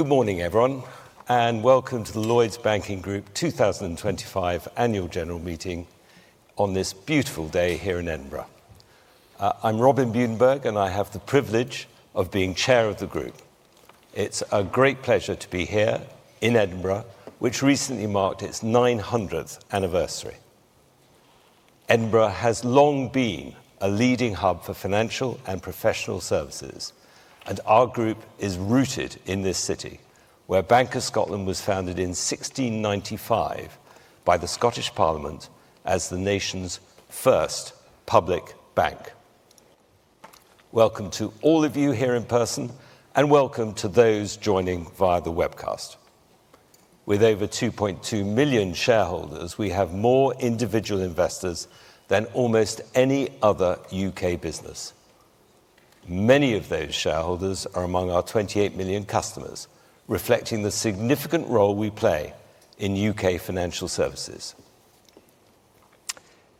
Good morning, everyone, and welcome to the Lloyds Banking Group 2025 Annual General Meeting on this beautiful day here in Edinburgh. I'm Robin Budenberg, and I have the privilege of being Chair of the Group. It's a great pleasure to be here in Edinburgh, which recently marked its 900th anniversary. Edinburgh has long been a leading hub for financial and professional services, and our Group is rooted in this city, where Bank of Scotland was founded in 1695 by the Scottish Parliament as the nation's first public bank. Welcome to all of you here in person, and welcome to those joining via the webcast. With over 2.2 million shareholders, we have more individual investors than almost any other U.K. business. Many of those shareholders are among our 28 million customers, reflecting the significant role we play in U.K. financial services.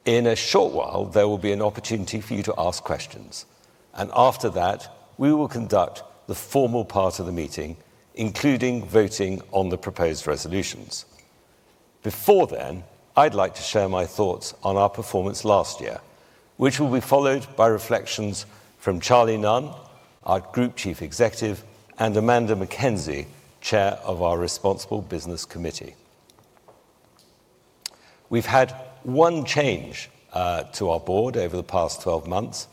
In a short while, there will be an opportunity for you to ask questions, and after that, we will conduct the formal part of the meeting, including voting on the proposed resolutions. Before then, I'd like to share my thoughts on our performance last year, which will be followed by reflections from Charlie Nunn, our Group Chief Executive, and Amanda Mackenzie, Chair of our Responsible Business Committee. We've had one change to our board over the past 12 months.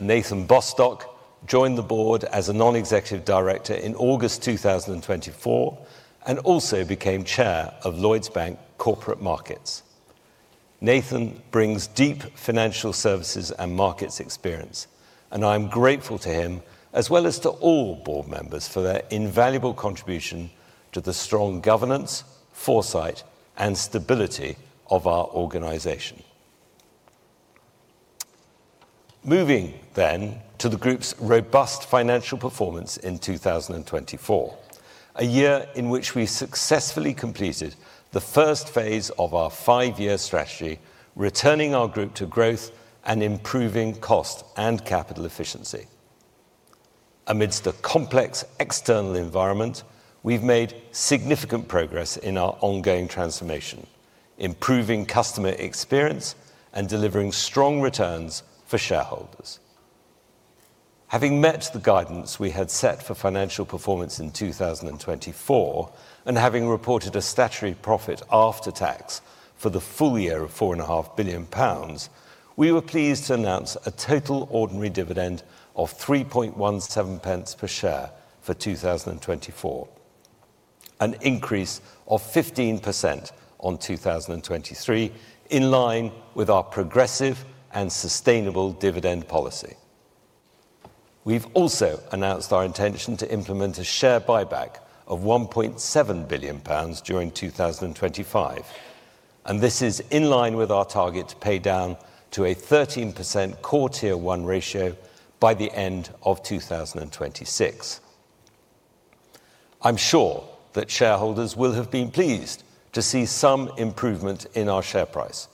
Nathan Bostock joined the Board as a non-executive director in August 2024 and also became Chair of Lloyds Bank Corporate Markets. Nathan brings deep financial services and markets experience, and I'm grateful to him, as well as to all board members, for their invaluable contribution to the strong governance, foresight, and stability of our organization. Moving then to the Group's robust financial performance in 2024, a year in which we successfully completed the first phase of our five-year strategy, returning our Group to growth and improving cost and capital efficiency. Amidst the complex external environment, we've made significant progress in our ongoing transformation, improving customer experience and delivering strong returns for shareholders. Having met the guidance we had set for financial performance in 2024 and having reported a statutory profit after tax for the full year of 4.5 billion pounds, we were pleased to announce a total ordinary dividend of 3.17 per share for 2024, an increase of 15% on 2023, in line with our progressive and sustainable dividend policy. We've also announced our intention to implement a share buyback of 1.7 billion pounds during 2025, and this is in line with our target to pay down to a 13% quarter-to-year ratio by the end of 2026. I'm sure that shareholders will have been pleased to see some improvement in our share price,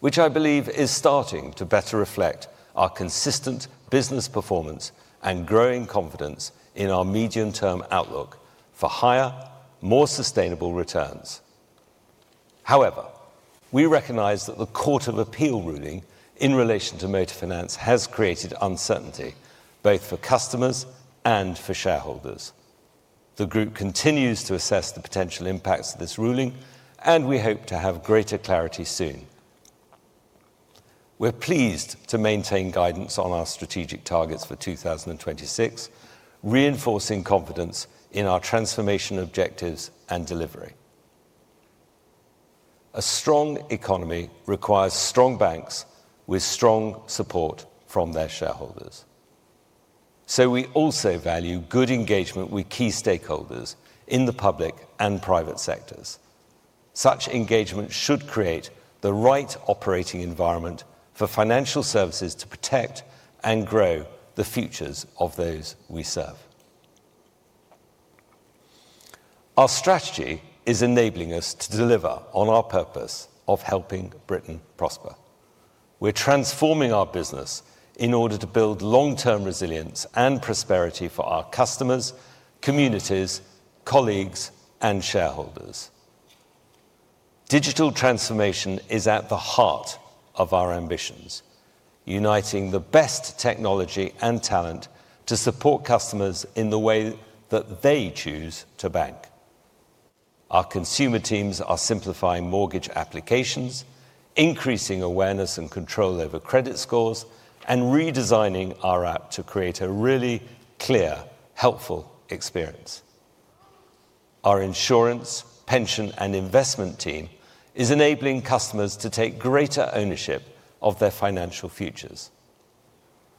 which I believe is starting to better reflect our consistent business performance and growing confidence in our medium-term outlook for higher, more sustainable returns. However, we recognize that the Court of Appeal ruling in relation to motor finance has created uncertainty, both for customers and for shareholders. The Group continues to assess the potential impacts of this ruling, and we hope to have greater clarity soon. We're pleased to maintain guidance on our strategic targets for 2026, reinforcing confidence in our transformation objectives and delivery. A strong economy requires strong banks with strong support from their shareholders. We also value good engagement with key stakeholders in the public and private sectors. Such engagement should create the right operating environment for financial services to protect and grow the futures of those we serve. Our strategy is enabling us to deliver on our purpose of helping Britain prosper. We're transforming our business in order to build long-term resilience and prosperity for our customers, communities, colleagues, and shareholders. Digital transformation is at the heart of our ambitions, uniting the best technology and talent to support customers in the way that they choose to bank. Our consumer teams are simplifying mortgage applications, increasing awareness and control over credit scores, and redesigning our app to create a really clear, helpful experience. Our insurance, pension, and investment team is enabling customers to take greater ownership of their financial futures.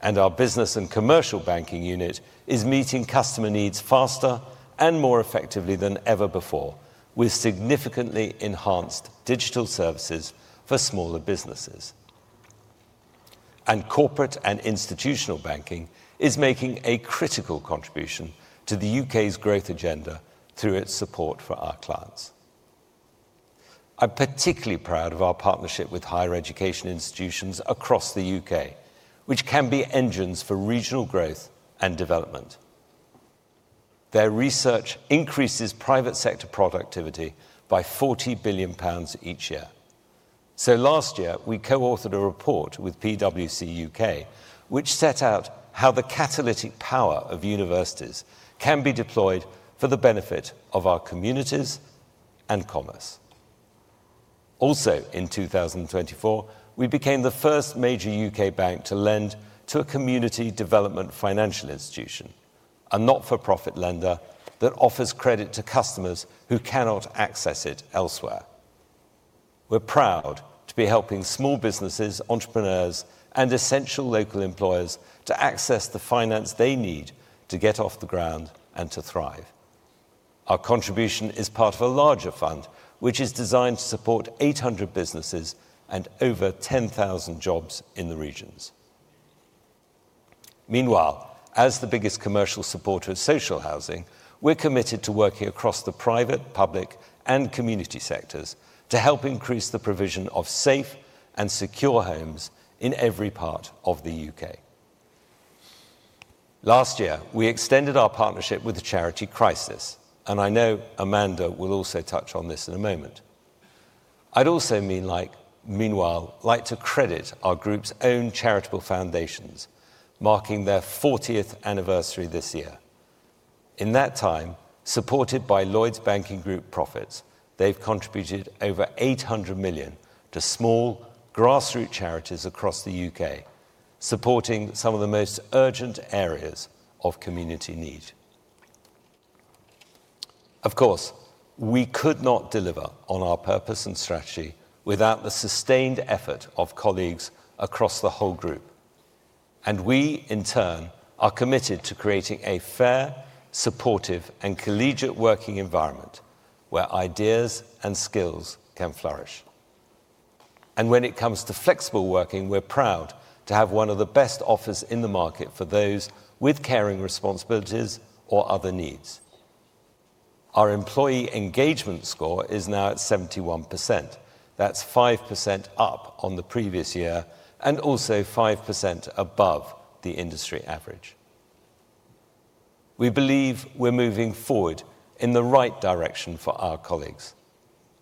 Our business and commercial banking unit is meeting customer needs faster and more effectively than ever before, with significantly enhanced digital services for smaller businesses. Our corporate and institutional banking is making a critical contribution to the U.K.'s growth agenda through its support for our clients. I'm particularly proud of our partnership with higher education institutions across the U.K., which can be engines for regional growth and development. Their research increases private sector productivity by 40 billion pounds each year. Last year, we co-authored a report with PwC UK, which set out how the catalytic power of universities can be deployed for the benefit of our communities and commerce. Also, in 2024, we became the first major U.K. bank to lend to a community development financial institution, a not-for-profit lender that offers credit to customers who cannot access it elsewhere. We're proud to be helping small businesses, entrepreneurs, and essential local employers to access the finance they need to get off the ground and to thrive. Our contribution is part of a larger fund, which is designed to support 800 businesses and over 10,000 jobs in the regions. Meanwhile, as the biggest commercial supporter of social housing, we're committed to working across the private, public, and community sectors to help increase the provision of safe and secure homes in every part of the U.K. Last year, we extended our partnership with the charity Crisis, and I know Amanda will also touch on this in a moment. I'd also, meanwhile, like to credit our Group's own charitable foundations, marking their 40th anniversary this year. In that time, supported by Lloyds Banking Group profits, they've contributed over 800 million to small grassroots charities across the U.K., supporting some of the most urgent areas of community need. Of course, we could not deliver on our purpose and strategy without the sustained effort of colleagues across the whole Group. We, in turn, are committed to creating a fair, supportive, and collegiate working environment where ideas and skills can flourish. When it comes to flexible working, we're proud to have one of the best offers in the market for those with caring responsibilities or other needs. Our employee engagement score is now at 71%. That's 5% up on the previous year and also 5% above the industry average. We believe we're moving forward in the right direction for our colleagues.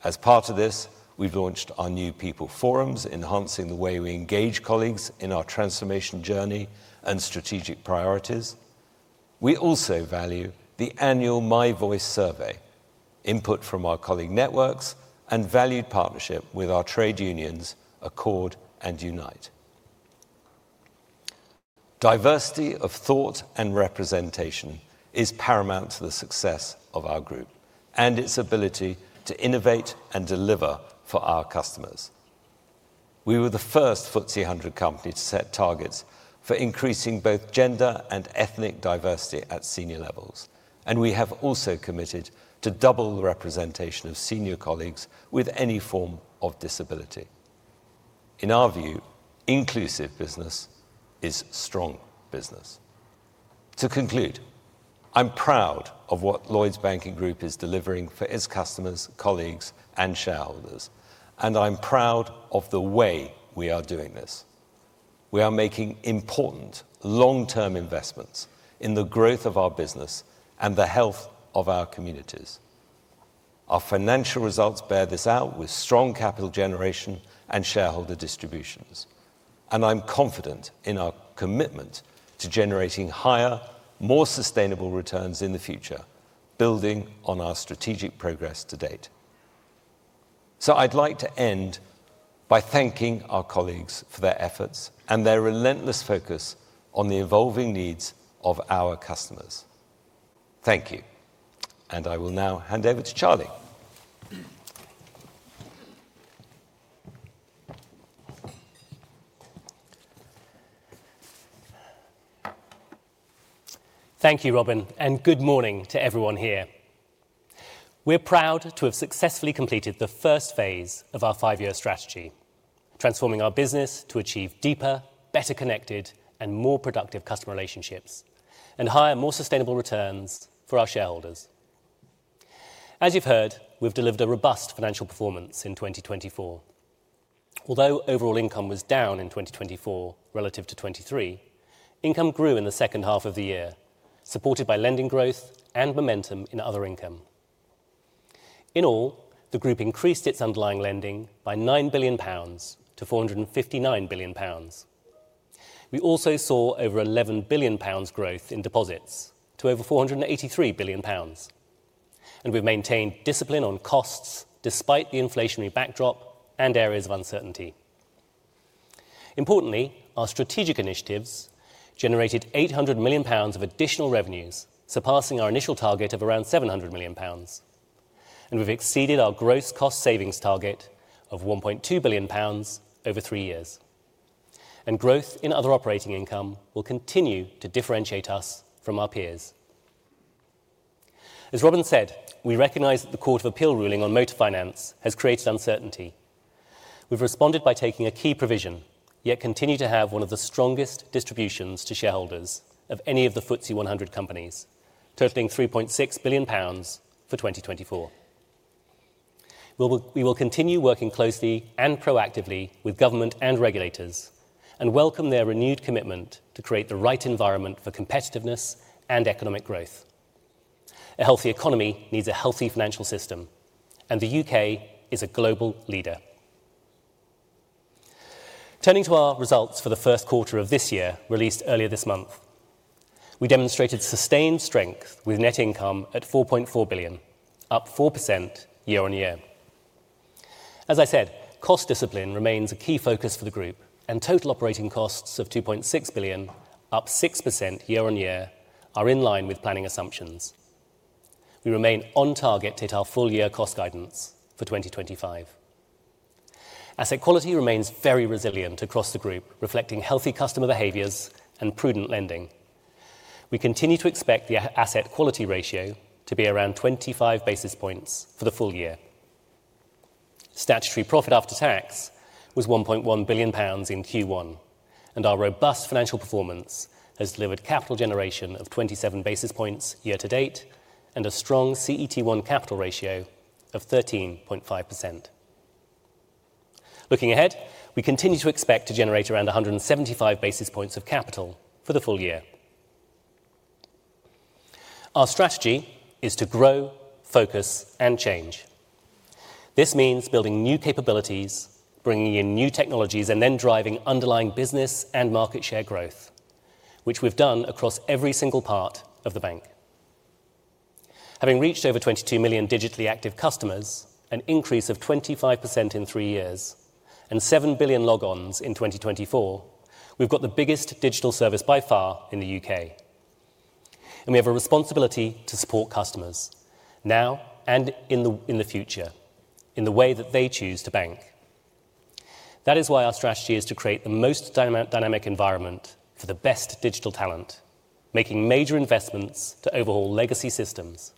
As part of this, we've launched our new People Forums, enhancing the way we engage colleagues in our transformation journey and strategic priorities. We also value the annual My Voice survey, input from our colleague networks, and valued partnership with our trade unions Accord and Unite. Diversity of thought and representation is paramount to the success of our Group and its ability to innovate and deliver for our customers. We were the first FTSE 100 company to set targets for increasing both gender and ethnic diversity at senior levels, and we have also committed to double the representation of senior colleagues with any form of disability. In our view, inclusive business is strong business. To conclude, I'm proud of what Lloyds Banking Group is delivering for its customers, colleagues, and shareholders, and I'm proud of the way we are doing this. We are making important long-term investments in the growth of our business and the health of our communities. Our financial results bear this out with strong capital generation and shareholder distributions, and I'm confident in our commitment to generating higher, more sustainable returns in the future, building on our strategic progress to date. I would like to end by thanking our colleagues for their efforts and their relentless focus on the evolving needs of our customers. Thank you, and I will now hand over to Charlie. Thank you, Robin, and good morning to everyone here. We're proud to have successfully completed the first phase of our five-year strategy, transforming our business to achieve deeper, better connected, and more productive customer relationships and higher, more sustainable returns for our shareholders. As you've heard, we've delivered a robust financial performance in 2024. Although overall income was down in 2024 relative to 2023, income grew in the second half of the year, supported by lending growth and momentum in other income. In all, the Group increased its underlying lending by 9 billion pounds to 459 billion pounds. We also saw over 11 billion pounds growth in deposits to over 483 billion pounds, and we've maintained discipline on costs despite the inflationary backdrop and areas of uncertainty. Importantly, our strategic initiatives generated 800 million pounds of additional revenues, surpassing our initial target of around 700 million pounds, and we have exceeded our gross cost savings target of 1.2 billion pounds over three years. Growth in other operating income will continue to differentiate us from our peers. As Robin said, we recognize that the Court of Appeal ruling on motor finance has created uncertainty. We have responded by taking a key provision, yet continue to have one of the strongest distributions to shareholders of any of the FTSE 100 companies, totaling 3.6 billion pounds for 2024. We will continue working closely and proactively with government and regulators and welcome their renewed commitment to create the right environment for competitiveness and economic growth. A healthy economy needs a healthy financial system, and the U.K. is a global leader. Turning to our results for the first quarter of this year, released earlier this month, we demonstrated sustained strength with net income at 4.4 billion, up 4% year on year. As I said, cost discipline remains a key focus for the Group, and total operating costs of 2.6 billion, up 6% year on year, are in line with planning assumptions. We remain on target to hit our full-year cost guidance for 2025. Asset quality remains very resilient across the Group, reflecting healthy customer behaviors and prudent lending. We continue to expect the asset quality ratio to be around 25 basis points for the full year. Statutory profit after tax was 1.1 billion pounds in Q1, and our robust financial performance has delivered capital generation of 27 basis points year to date and a strong CET1 capital ratio of 13.5%. Looking ahead, we continue to expect to generate around 175 basis points of capital for the full year. Our strategy is to grow, focus, and change. This means building new capabilities, bringing in new technologies, and then driving underlying business and market share growth, which we have done across every single part of the bank. Having reached over 22 million digitally active customers, an increase of 25% in three years, and 7 billion logons in 2024, we have got the biggest digital service by far in the U.K. We have a responsibility to support customers now and in the future in the way that they choose to bank. That is why our strategy is to create the most dynamic environment for the best digital talent, making major investments to overhaul legacy systems,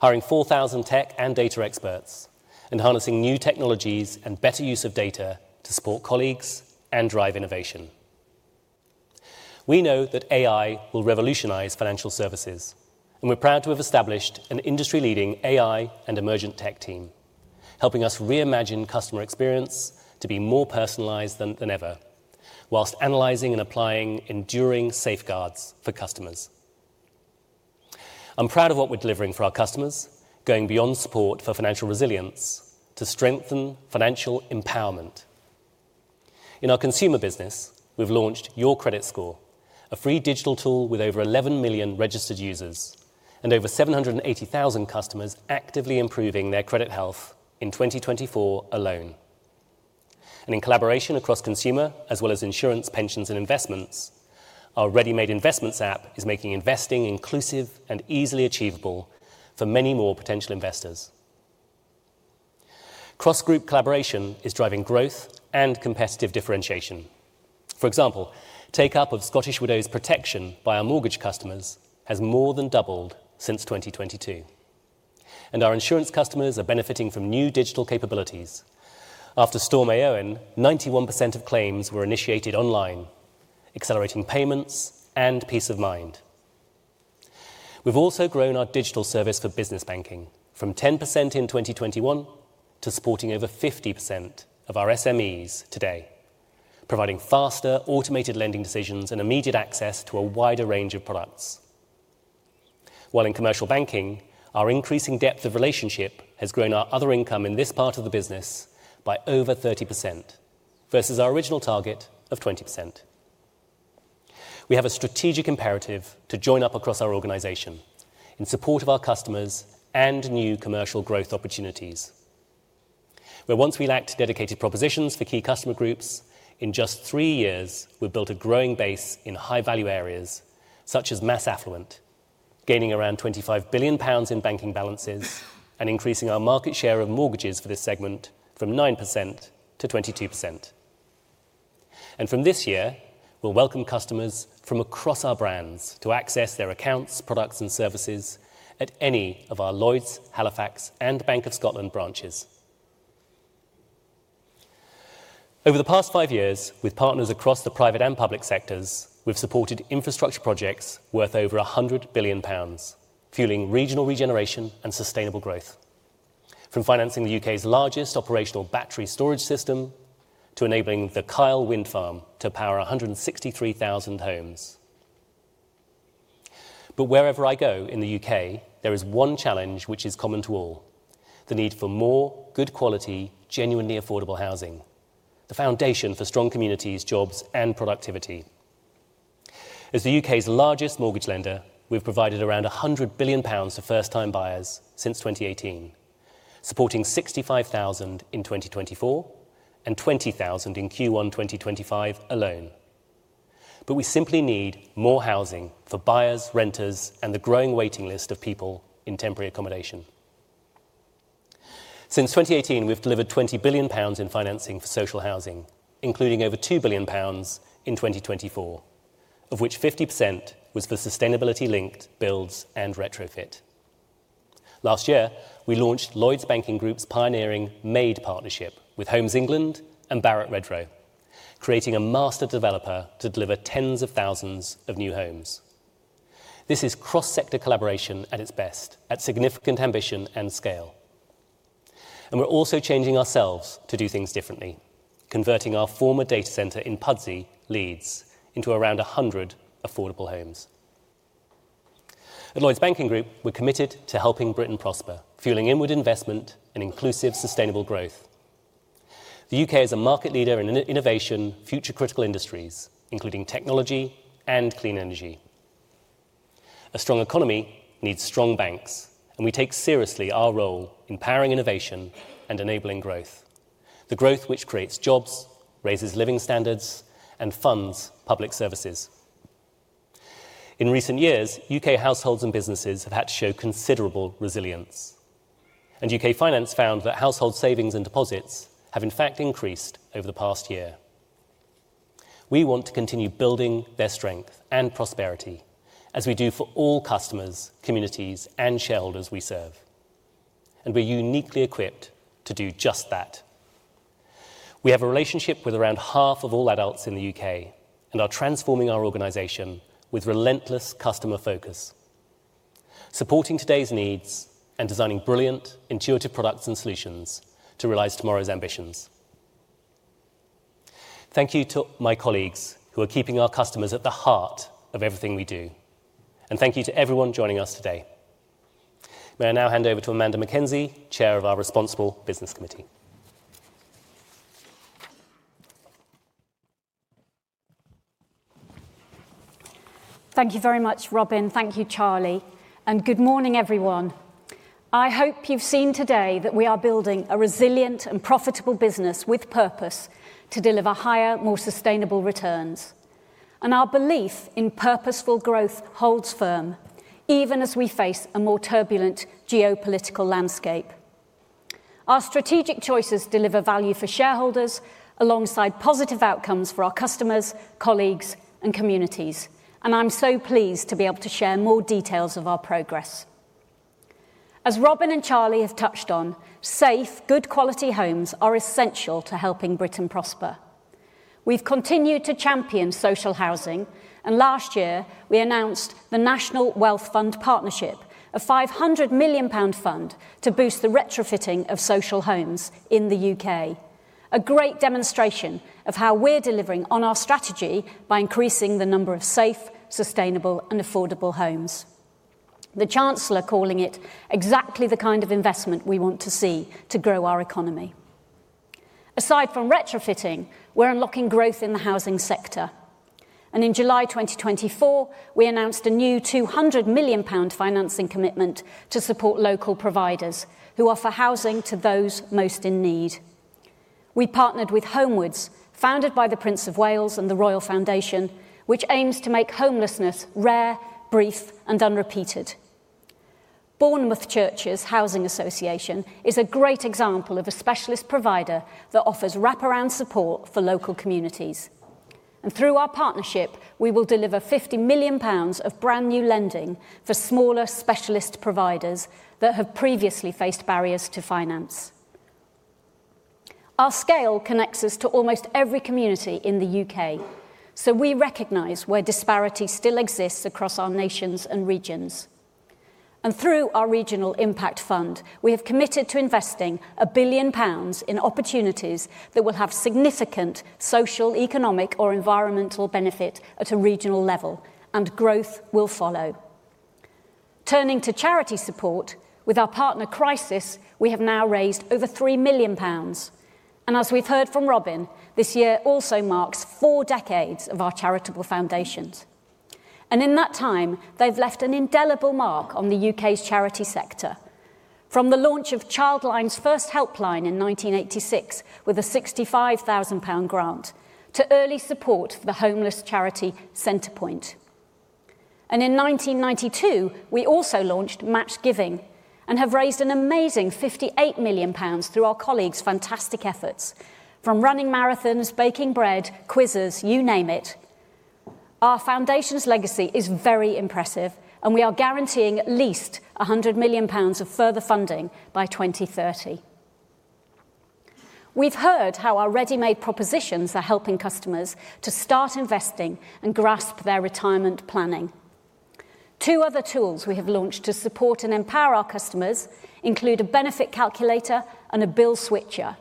hiring 4,000 tech and data experts, and harnessing new technologies and better use of data to support colleagues and drive innovation. We know that AI will revolutionize financial services, and we're proud to have established an industry-leading AI and emergent tech team, helping us reimagine customer experience to be more personalized than ever, whilst analyzing and applying enduring safeguards for customers. I'm proud of what we're delivering for our customers, going beyond support for financial resilience to strengthen financial empowerment. In our consumer business, we've launched Your Credit Score, a free digital tool with over 11 million registered users and over 780,000 customers actively improving their credit health in 2024 alone. In collaboration across consumer as well as insurance, pensions, and investments, our Ready-Made Investments App is making investing inclusive and easily achievable for many more potential investors. Cross-group collaboration is driving growth and competitive differentiation. For example, take-up of Scottish Widows protection by our mortgage customers has more than doubled since 2022. Our insurance customers are benefiting from new digital capabilities. After Storm owyn Eowyn, 91% of claims were initiated online, accelerating payments and peace of mind. We have also grown our digital service for business banking from 10% in 2021 to supporting over 50% of our SMEs today, providing faster, automated lending decisions and immediate access to a wider range of products. In commercial banking, our increasing depth of relationship has grown our other income in this part of the business by over 30% versus our original target of 20%. We have a strategic imperative to join up across our organization in support of our customers and new commercial growth opportunities. Where once we lacked dedicated propositions for key customer groups, in just three years, we've built a growing base in high-value areas such as mass affluent, gaining around 25 billion pounds in banking balances and increasing our market share of mortgages for this segment from 9% to 22%. From this year, we'll welcome customers from across our brands to access their accounts, products, and services at any of our Lloyds, Halifax, and Bank of Scotland branches. Over the past five years, with partners across the private and public sectors, we've supported infrastructure projects worth over 100 billion pounds, fueling regional regeneration and sustainable growth, from financing the U.K.'s largest operational battery storage system to enabling the Kyle Wind Farm to power 163,000 homes. Wherever I go in the U.K., there is one challenge which is common to all: the need for more good quality, genuinely affordable housing, the foundation for strong communities, jobs, and productivity. As the U.K.'s largest mortgage lender, we've provided around 100 billion pounds to first-time buyers since 2018, supporting 65,000 in 2024 and 20,000 in Q1 2025 alone. We simply need more housing for buyers, renters, and the growing waiting list of people in temporary accommodation. Since 2018, we've delivered 20 billion pounds in financing for social housing, including over 2 billion pounds in 2024, of which 50% was for sustainability-linked builds and retrofit. Last year, we launched Lloyds Banking Group's pioneering MADE Partnership with Homes England and Barratt Redrow, creating a master developer to deliver tens of thousands of new homes. This is cross-sector collaboration at its best, at significant ambition and scale. We are also changing ourselves to do things differently, converting our former data center in Pudsey, Leeds, into around 100 affordable homes. At Lloyds Banking Group, we are committed to helping Britain prosper, fueling inward investment and inclusive sustainable growth. The U.K. is a market leader in innovation, future-critical industries, including technology and clean energy. A strong economy needs strong banks, and we take seriously our role in powering innovation and enabling growth, the growth which creates jobs, raises living standards, and funds public services. In recent years, U.K. households and businesses have had to show considerable resilience, and U.K. Finance found that household savings and deposits have, in fact, increased over the past year. We want to continue building their strength and prosperity as we do for all customers, communities, and shareholders we serve, and we are uniquely equipped to do just that. We have a relationship with around half of all adults in the U.K. and are transforming our organization with relentless customer focus, supporting today's needs and designing brilliant, intuitive products and solutions to realize tomorrow's ambitions. Thank you to my colleagues who are keeping our customers at the heart of everything we do, and thank you to everyone joining us today. May I now hand over to Amanda Mackenzie, Chair of our Responsible Business Committee. Thank you very much, Robin. Thank you, Charlie. Good morning, everyone. I hope you've seen today that we are building a resilient and profitable business with purpose to deliver higher, more sustainable returns. Our belief in purposeful growth holds firm, even as we face a more turbulent geopolitical landscape. Our strategic choices deliver value for shareholders alongside positive outcomes for our customers, colleagues, and communities. I'm so pleased to be able to share more details of our progress. As Robin and Charlie have touched on, safe, good-quality homes are essential to helping Britain prosper. We've continued to champion social housing, and last year, we announced the National Wealth Fund partnership, a 500 million pound fund to boost the retrofitting of social homes in the U.K., a great demonstration of how we're delivering on our strategy by increasing the number of safe, sustainable, and affordable homes. The Chancellor calling it exactly the kind of investment we want to see to grow our economy. Aside from retrofitting, we are unlocking growth in the housing sector. In July 2024, we announced a new 200 million pound financing commitment to support local providers who offer housing to those most in need. We partnered with Homewoods, founded by the Prince of Wales and the Royal Foundation, which aims to make homelessness rare, brief, and unrepeated. Bournemouth Churches Housing Association is a great example of a specialist provider that offers wraparound support for local communities. Through our partnership, we will deliver 50 million pounds of brand new lending for smaller specialist providers that have previously faced barriers to finance. Our scale connects us to almost every community in the U.K., so we recognize where disparity still exists across our nations and regions. Through our Regional Impact Fund, we have committed to investing 1 billion pounds in opportunities that will have significant social, economic, or environmental benefit at a regional level, and growth will follow. Turning to charity support, with our partner Crisis, we have now raised over 3 million pounds, and as we have heard from Robin, this year also marks four decades of our charitable foundations. In that time, they have left an indelible mark on the U.K.'s charity sector, from the launch of ChildLine's first Helpline in 1986 with a 65,000 pound grant to early support for the homeless charity Centrepoint. In 1992, we also launched Match Giving and have raised an amazing 58 million pounds through our colleagues' fantastic efforts, from running marathons, baking bread, quizzes, you name it. Our foundation's legacy is very impressive, and we are guaranteeing at least 100 million pounds of further funding by 2030. We've heard how our ready-made propositions are helping customers to start investing and grasp their retirement planning. Two other tools we have launched to support and empower our customers include a Benefit Calculator and a Bill Switcher.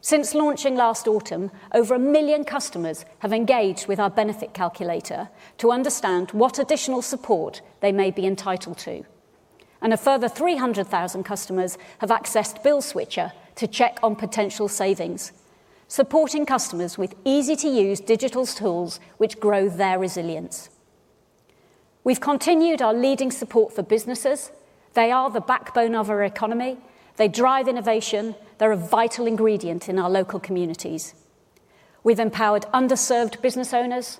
Since launching last autumn, over 1 million customers have engaged with our Benefit Calculator to understand what additional support they may be entitled to. A further 300,000 customers have accessed Bill Switcher to check on potential savings, supporting customers with easy-to-use digital tools which grow their resilience. We've continued our leading support for businesses. They are the backbone of our economy. They drive innovation. They're a vital ingredient in our local communities. We've empowered underserved business owners,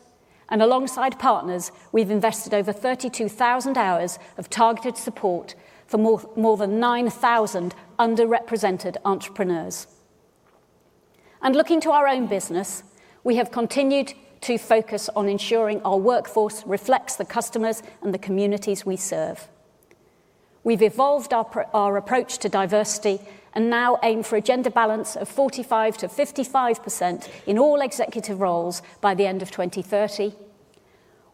and alongside partners, we've invested over 32,000 hours of targeted support for more than 9,000 underrepresented entrepreneurs. Looking to our own business, we have continued to focus on ensuring our workforce reflects the customers and the communities we serve. We have evolved our approach to diversity and now aim for a gender balance of 45%-55% in all executive roles by the end of 2030.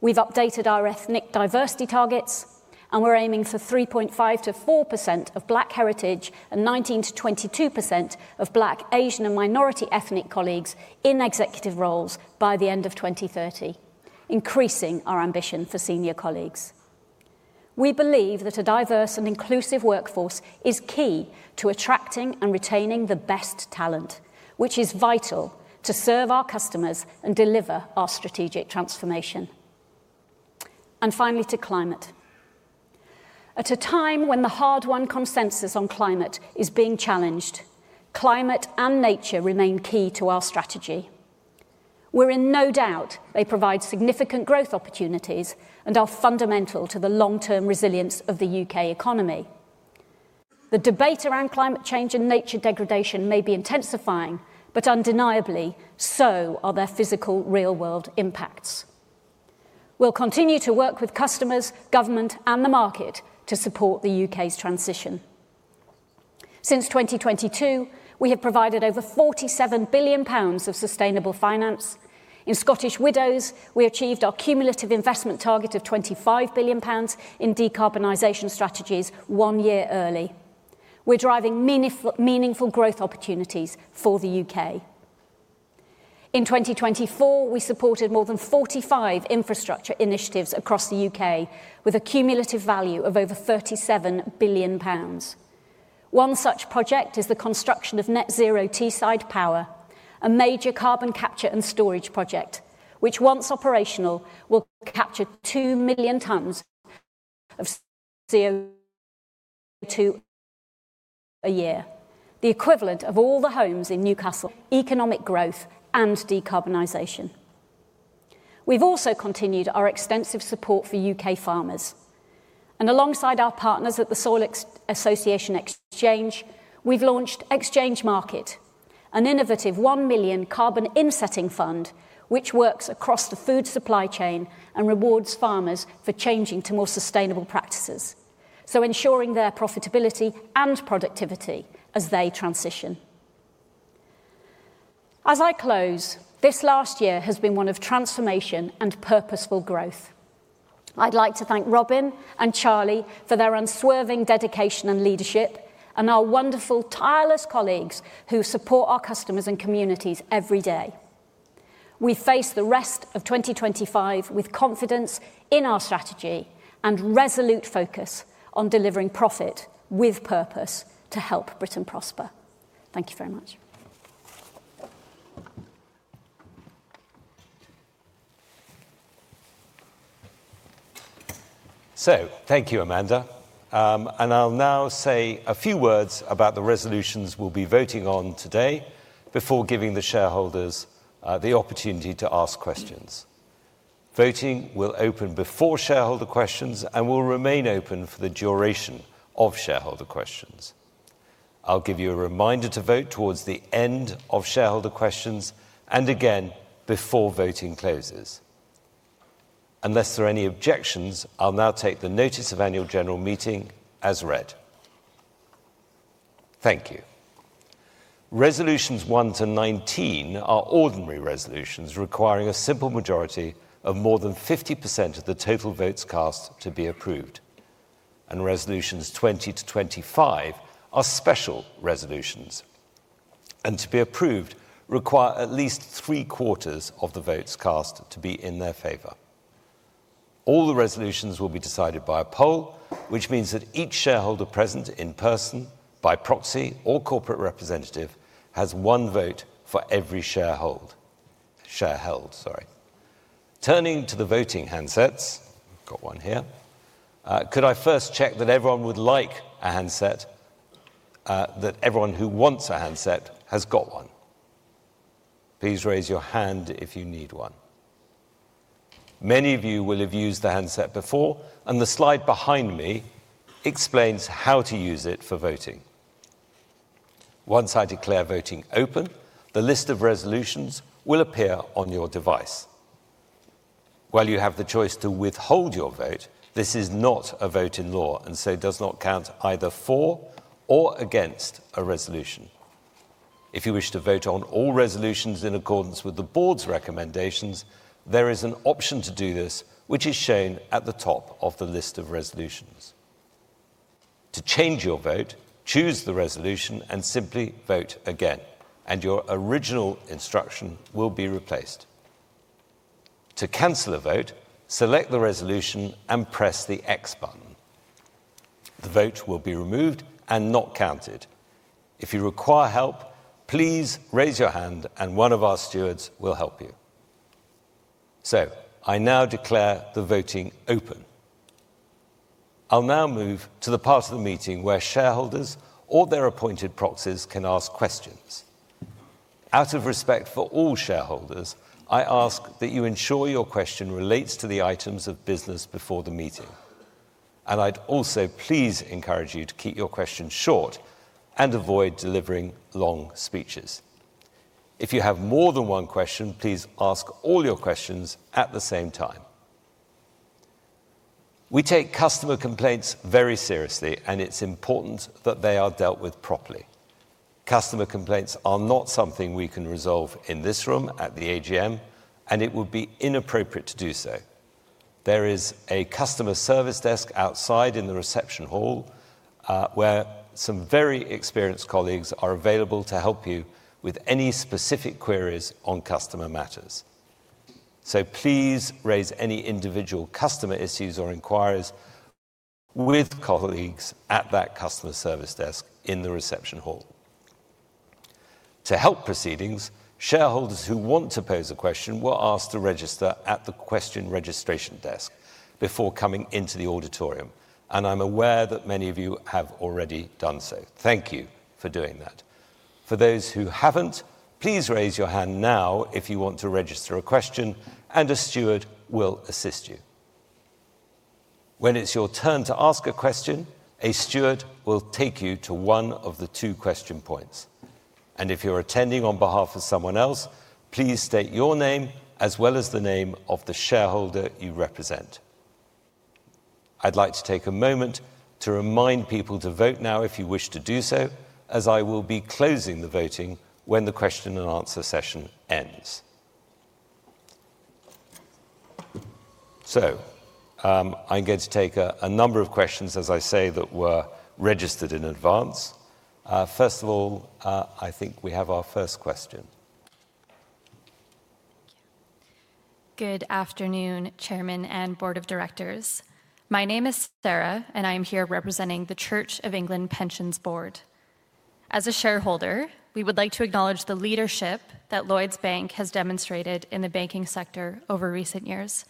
We have updated our ethnic diversity targets, and we are aiming for 3.5%-4% of Black heritage and 19%-22% of Black, Asian, and minority ethnic colleagues in executive roles by the end of 2030, increasing our ambition for senior colleagues. We believe that a diverse and inclusive workforce is key to attracting and retaining the best talent, which is vital to serve our customers and deliver our strategic transformation. Finally, to climate. At a time when the hard-won consensus on climate is being challenged, climate and nature remain key to our strategy. We're in no doubt they provide significant growth opportunities and are fundamental to the long-term resilience of the U.K. economy. The debate around climate change and nature degradation may be intensifying, but undeniably, so are their physical, real-world impacts. We'll continue to work with customers, government, and the market to support the U.K.'s transition. Since 2022, we have provided over 47 billion pounds of sustainable finance. In Scottish Widows, we achieved our cumulative investment target of 25 billion pounds in decarbonisation strategies one year early. We're driving meaningful growth opportunities for the U.K. In 2024, we supported more than 45 infrastructure initiatives across the U.K. with a cumulative value of over 37 billion pounds. One such project is the construction of Net Zero Teesside Power, a major carbon capture and storage project which, once operational, will capture 2 million tonnes of CO2 a year, the equivalent of all the homes in Newcastle. Economic growth and decarbonisation. We have also continued our extensive support for U.K. farmers. Alongside our partners at the Soil Association Exchange, we have launched Exchange Market, an innovative 1 million carbon insetting fund which works across the food supply chain and rewards farmers for changing to more sustainable practices, ensuring their profitability and productivity as they transition. As I close, this last year has been one of transformation and purposeful growth. I would like to thank Robin and Charlie for their unswerving dedication and leadership, and our wonderful, tireless colleagues who support our customers and communities every day. We face the rest of 2025 with confidence in our strategy and resolute focus on delivering profit with purpose to help Britain prosper. Thank you very much. Thank you, Amanda. I'll now say a few words about the resolutions we'll be voting on today before giving the shareholders the opportunity to ask questions. Voting will open before shareholder questions and will remain open for the duration of shareholder questions. I'll give you a reminder to vote towards the end of shareholder questions and again before voting closes. Unless there are any objections, I'll now take the Notice of Annual General Meeting as read. Thank you. Resolutions 1 to 19 are ordinary resolutions requiring a simple majority of more than 50% of the total votes cast to be approved. Resolutions 20 to 25 are special resolutions and to be approved require at least three-quarters of the votes cast to be in their favor. All the resolutions will be decided by a poll, which means that each shareholder present in person, by proxy, or corporate representative has one vote for every shareholder. Turning to the voting handsets, we've got one here. Could I first check that everyone would like a handset, that everyone who wants a handset has got one? Please raise your hand if you need one. Many of you will have used the handset before, and the slide behind me explains how to use it for voting. Once I declare voting open, the list of resolutions will appear on your device. While you have the choice to withhold your vote, this is not a vote in law and so does not count either for or against a resolution. If you wish to vote on all resolutions in accordance with the board's recommendations, there is an option to do this, which is shown at the top of the list of resolutions. To change your vote, choose the resolution and simply vote again, and your original instruction will be replaced. To cancel a vote, select the resolution and press the X button. The vote will be removed and not counted. If you require help, please raise your hand and one of our stewards will help you. I now declare the voting open. I'll now move to the part of the meeting where shareholders or their appointed proxies can ask questions. Out of respect for all shareholders, I ask that you ensure your question relates to the items of business before the meeting. I'd also please encourage you to keep your questions short and avoid delivering long speeches. If you have more than one question, please ask all your questions at the same time. We take customer complaints very seriously, and it is important that they are dealt with properly. Customer complaints are not something we can resolve in this room at the AGM, and it would be inappropriate to do so. There is a customer service desk outside in the reception hall where some very experienced colleagues are available to help you with any specific queries on customer matters. Please raise any individual customer issues or inquiries with colleagues at that customer service desk in the reception hall. To help proceedings, shareholders who want to pose a question will ask to register at the question registration desk before coming into the auditorium. I am aware that many of you have already done so. Thank you for doing that. For those who haven't, please raise your hand now if you want to register a question, and a steward will assist you. When it's your turn to ask a question, a steward will take you to one of the two question points. If you're attending on behalf of someone else, please state your name as well as the name of the shareholder you represent. I'd like to take a moment to remind people to vote now if you wish to do so, as I will be closing the voting when the question and answer session ends. I'm going to take a number of questions as I say that were registered in advance. First of all, I think we have our first question. Good afternoon, Chairman and Board of Directors. My name is Sarah, and I'm here representing the Church of England Pensions Board. As a shareholder, we would like to acknowledge the leadership that Lloyds Bank has demonstrated in the banking sector over recent years.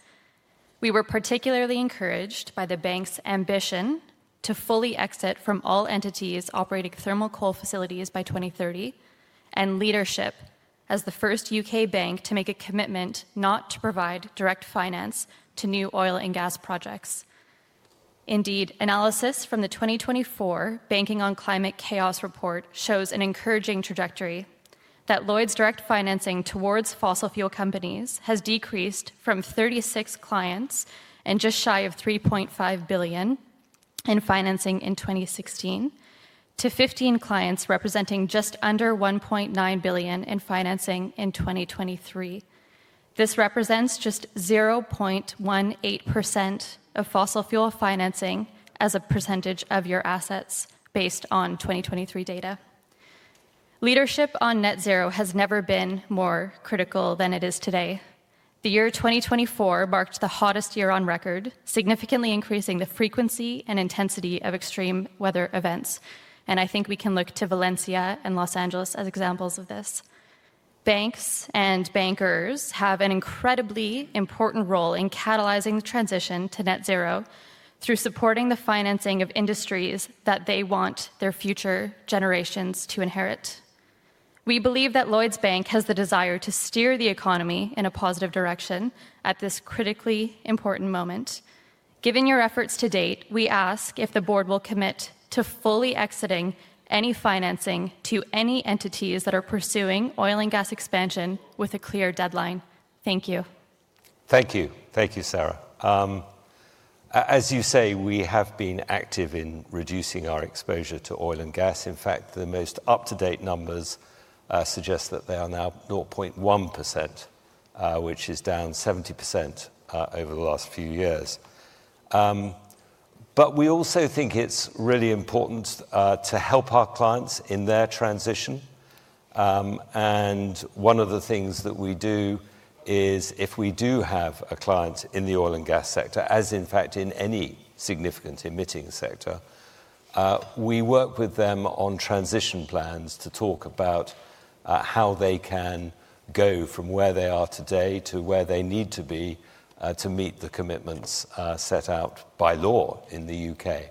We were particularly encouraged by the bank's ambition to fully exit from all entities operating thermal coal facilities by 2030 and leadership as the first U.K. bank to make a commitment not to provide direct finance to new oil and gas projects. Indeed, analysis from the 2024 Banking on Climate Chaos Report shows an encouraging trajectory that Lloyds' direct financing towards fossil fuel companies has decreased from 36 clients and just shy of 3.5 billion in financing in 2016 to 15 clients representing just under 1.9 billion in financing in 2023. This represents just 0.18% of fossil fuel financing as a percentage of your assets based on 2023 data. Leadership on net zero has never been more critical than it is today. The year 2024 marked the hottest year on record, significantly increasing the frequency and intensity of extreme weather events. I think we can look to Valencia and Los Angeles as examples of this. Banks and bankers have an incredibly important role in catalyzing the transition to net zero through supporting the financing of industries that they want their future generations to inherit. We believe that Lloyds Bank has the desire to steer the economy in a positive direction at this critically important moment. Given your efforts to date, we ask if the board will commit to fully exiting any financing to any entities that are pursuing oil and gas expansion with a clear deadline. Thank you. Thank you. Thank you, Sarah. As you say, we have been active in reducing our exposure to oil and gas. In fact, the most up-to-date numbers suggest that they are now 0.1%, which is down 70% over the last few years. We also think it is really important to help our clients in their transition. One of the things that we do is if we do have a client in the oil and gas sector, as in fact in any significant emitting sector, we work with them on transition plans to talk about how they can go from where they are today to where they need to be to meet the commitments set out by law in the U.K.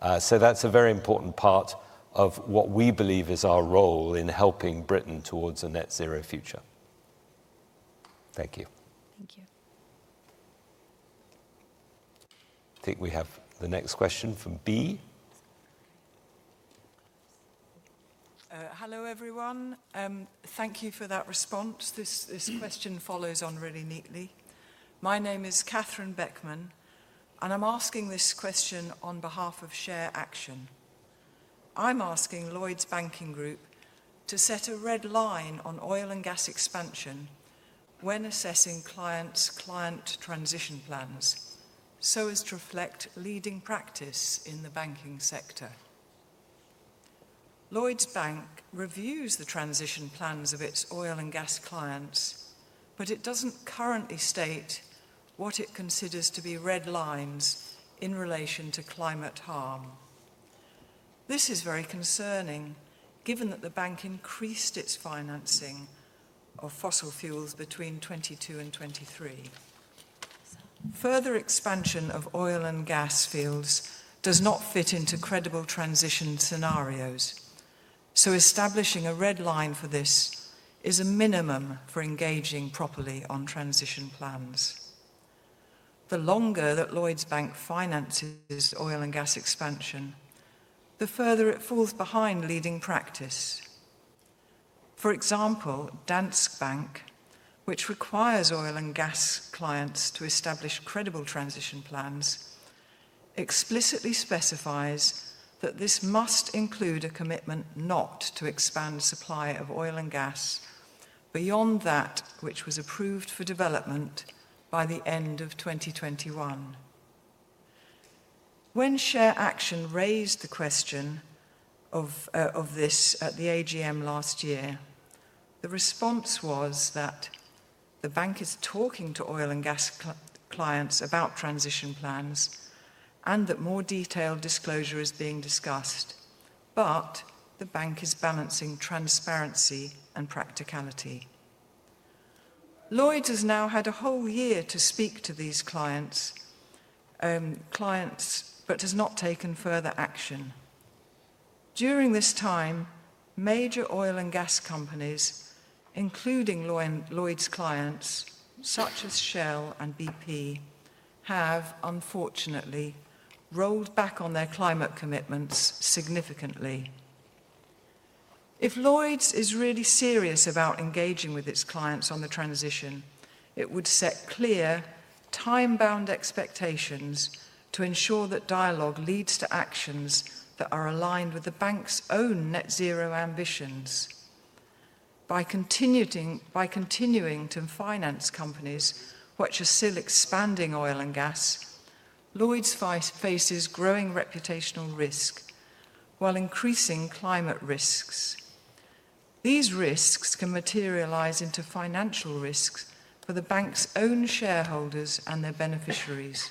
That is a very important part of what we believe is our role in helping Britain towards a net zero future. Thank you. Thank you. I think we have the next question from B. Hello everyone. Thank you for that response. This question follows on really neatly. My name is Catherine Beckman, and I'm asking this question on behalf of Share Action. I'm asking Lloyds Banking Group to set a red line on oil and gas expansion when assessing clients' client transition plans so as to reflect leading practice in the banking sector. Lloyds Bank reviews the transition plans of its oil and gas clients, but it doesn't currently state what it considers to be red lines in relation to climate harm. This is very concerning given that the bank increased its financing of fossil fuels between 2022 and 2023. Further expansion of oil and gas fields does not fit into credible transition scenarios, so establishing a red line for this is a minimum for engaging properly on transition plans. The longer that Lloyds Bank finances oil and gas expansion, the further it falls behind leading practice. For example, Danske Bank, which requires oil and gas clients to establish credible transition plans, explicitly specifies that this must include a commitment not to expand supply of oil and gas beyond that which was approved for development by the end of 2021. When Share Action raised the question of this at the AGM last year, the response was that the bank is talking to oil and gas clients about transition plans and that more detailed disclosure is being discussed, but the bank is balancing transparency and practicality. Lloyds has now had a whole year to speak to these clients, but has not taken further action. During this time, major oil and gas companies, including Lloyds' clients such as Shell and BP, have unfortunately rolled back on their climate commitments significantly. If Lloyds is really serious about engaging with its clients on the transition, it would set clear time-bound expectations to ensure that dialogue leads to actions that are aligned with the bank's own net zero ambitions. By continuing to finance companies which are still expanding oil and gas, Lloyds faces growing reputational risk while increasing climate risks. These risks can materialize into financial risks for the bank's own shareholders and their beneficiaries.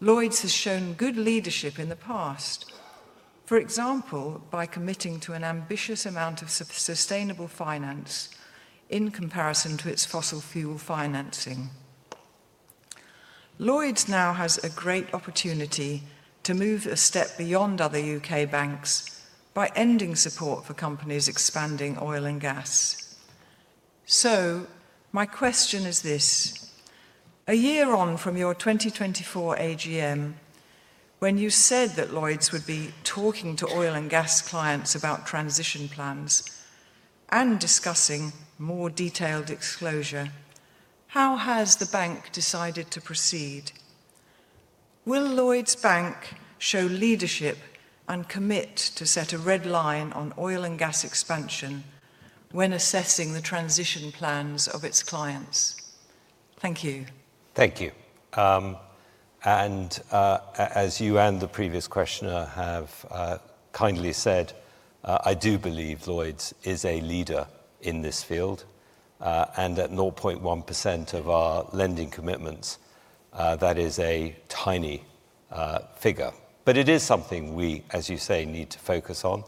Lloyds has shown good leadership in the past, for example, by committing to an ambitious amount of sustainable finance in comparison to its fossil fuel financing. Lloyds now has a great opportunity to move a step beyond other U.K. banks by ending support for companies expanding oil and gas. My question is this: a year on from your 2024 AGM, when you said that Lloyds would be talking to oil and gas clients about transition plans and discussing more detailed exposure, how has the bank decided to proceed? Will Lloyds Bank show leadership and commit to set a red line on oil and gas expansion when assessing the transition plans of its clients? Thank you. Thank you. As you and the previous questioner have kindly said, I do believe Lloyds is a leader in this field. At 0.1% of our lending commitments, that is a tiny figure. It is something we, as you say, need to focus on.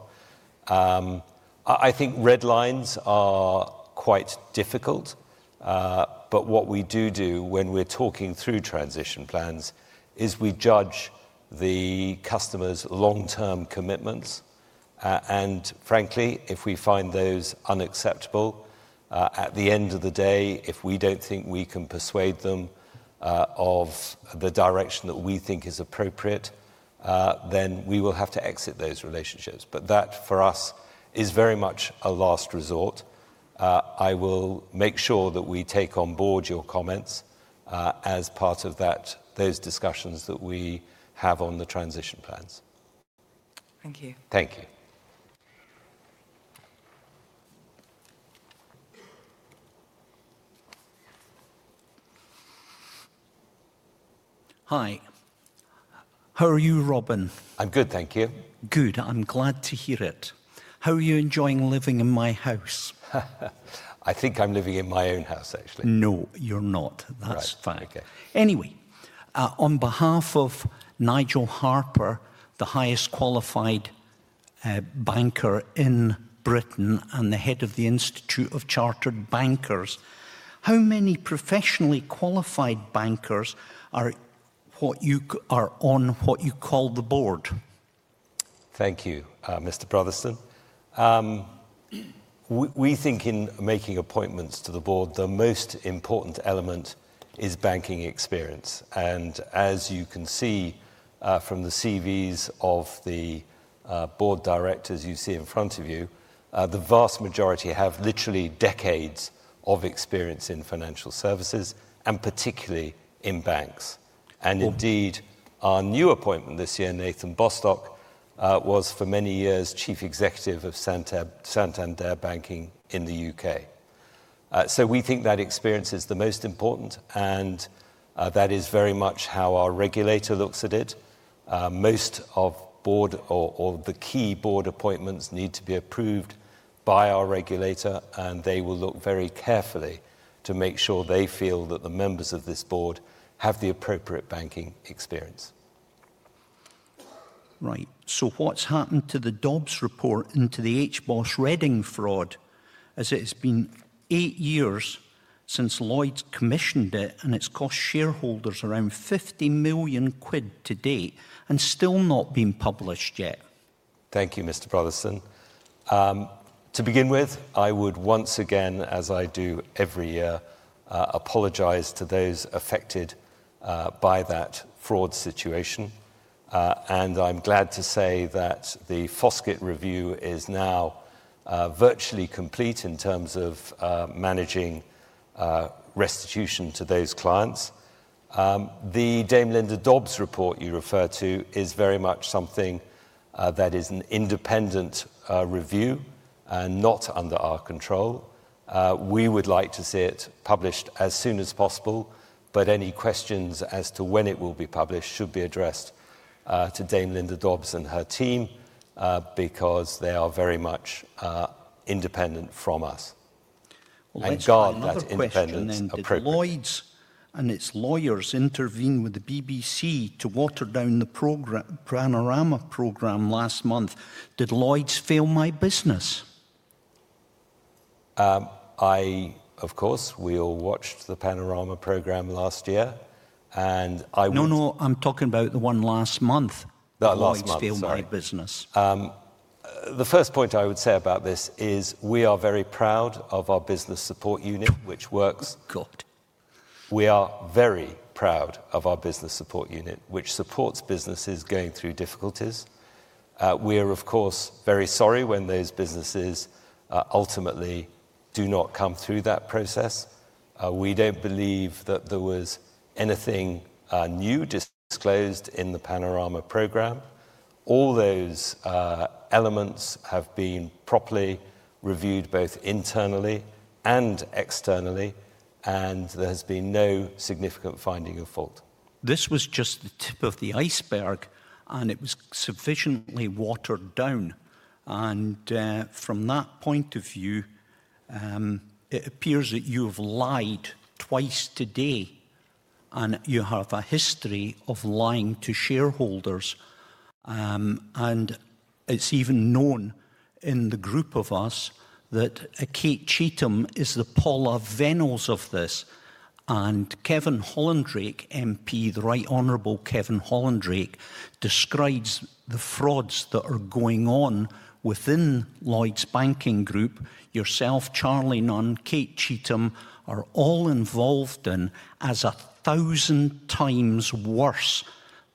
I think red lines are quite difficult, but what we do do when we're talking through transition plans is we judge the customer's long-term commitments. Frankly, if we find those unacceptable, at the end of the day, if we do not think we can persuade them of the direction that we think is appropriate, then we will have to exit those relationships. That for us is very much a last resort. I will make sure that we take on board your comments as part of those discussions that we have on the transition plans. Thank you. Thank you. Hi. How are you, Robin? I'm good, thank you. Good. I'm glad to hear it. How are you enjoying living in my house? I think I'm living in my own house, actually. No, you're not. That's fine. Anyway, on behalf of Nigel Harper, the highest qualified banker in Britain and the head of the Institute of Chartered Bankers, how many professionally qualified bankers are on what you call the board? Thank you, Mr. Brotherson. We think in making appointments to the board, the most important element is banking experience. As you can see from the CVs of the board directors you see in front of you, the vast majority have literally decades of experience in financial services and particularly in banks. Indeed, our new appointment this year, Nathan Bostock, was for many years Chief Executive of Santander UK. We think that experience is the most important, and that is very much how our regulator looks at it. Most of the key board appointments need to be approved by our regulator, and they will look very carefully to make sure they feel that the members of this board have the appropriate banking experience. Right. So what's happened to the Dobbs report into the HBOS Reading fraud as it has been eight years since Lloyds commissioned it, and it's cost shareholders around 50 million quid to date and still not been published yet? Thank you, Mr. Brotherson. To begin with, I would once again, as I do every year, apologize to those affected by that fraud situation. I am glad to say that the Foskett review is now virtually complete in terms of managing restitution to those clients. The Dame Linda Dobbs report you refer to is very much something that is an independent review and not under our control. We would like to see it published as soon as possible, but any questions as to when it will be published should be addressed to Dame Linda Dobbs and her team because they are very much independent from us. They guard that independence appropriately. Its lawyers intervened with the BBC to water down the Panorama program last month. Did Lloyds fail my business? I, of course, we all watched the Panorama program last year. No, no, I'm talking about the one last month. Lloyds failed my business. The first point I would say about this is we are very proud of our business support unit, which works. Good. We are very proud of our business support unit, which supports businesses going through difficulties. We are, of course, very sorry when those businesses ultimately do not come through that process. We do not believe that there was anything new disclosed in the Panorama program. All those elements have been properly reviewed both internally and externally, and there has been no significant finding of fault. This was just the tip of the iceberg, and it was sufficiently watered down. From that point of view, it appears that you have lied twice today, and you have a history of lying to shareholders. It is even known in the group of us that Kate Cheetham is the Paula Vennells of this. Kevin Hollinrake, MP, the Right Honorable Kevin Hollinrake, describes the frauds that are going on within Lloyds Banking Group. Yourself, Charlie Nunn, Kate Cheetham are all involved in as a thousand times worse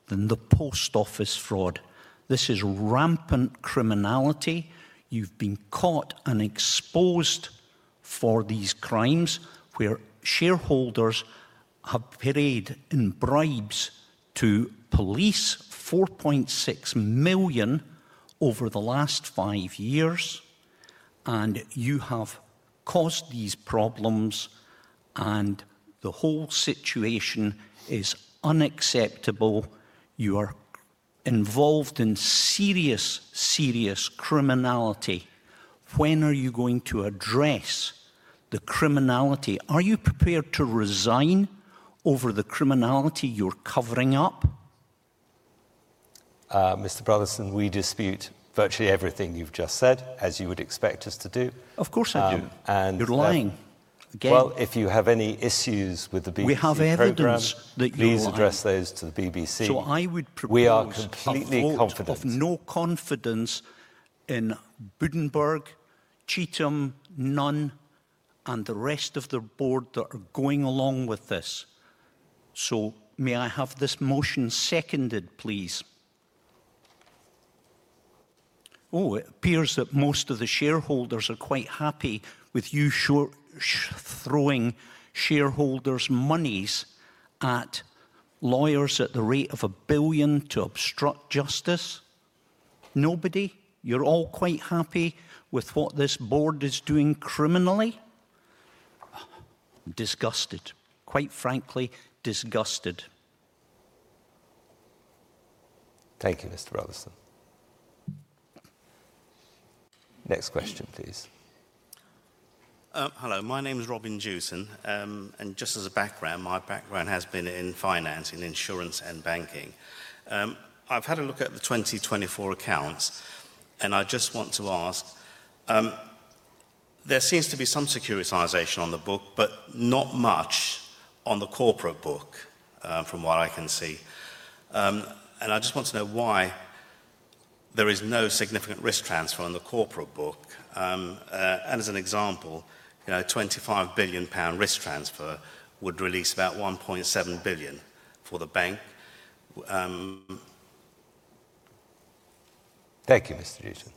than the post office fraud. This is rampant criminality. You have been caught and exposed for these crimes where shareholders have paid in bribes to police 4.6 million over the last five years, and you have caused these problems, and the whole situation is unacceptable. You are involved in serious, serious criminality. When are you going to address the criminality? Are you prepared to resign over the criminality you're covering up? Mr. Brotherson, we dispute virtually everything you've just said, as you would expect us to do. Of course I do. You're lying. If you have any issues with the BBC, please address those to the BBC. We are completely confident. I would propose a vote of no confidence in Budenberg, Cheetham, Nunn, and the rest of the board that are going along with this. May I have this motion seconded, please? Oh, it appears that most of the shareholders are quite happy with you throwing shareholders' monies at lawyers at the rate of 1 billion to obstruct justice. Nobody? You're all quite happy with what this board is doing criminally? Disgusted. Quite frankly, disgusted. Thank you, Mr. Brotherson. Next question, please. Hello. My name is Robin Jewson. And just as a background, my background has been in finance, in insurance and banking. I've had a look at the 2024 accounts, and I just want to ask, there seems to be some securitisation on the book, but not much on the corporate book from what I can see. And I just want to know why there is no significant risk transfer on the corporate book. And as an example, a 25 billion pound risk transfer would release about 1.7 billion for the bank. Thank you, Mr. Jewson.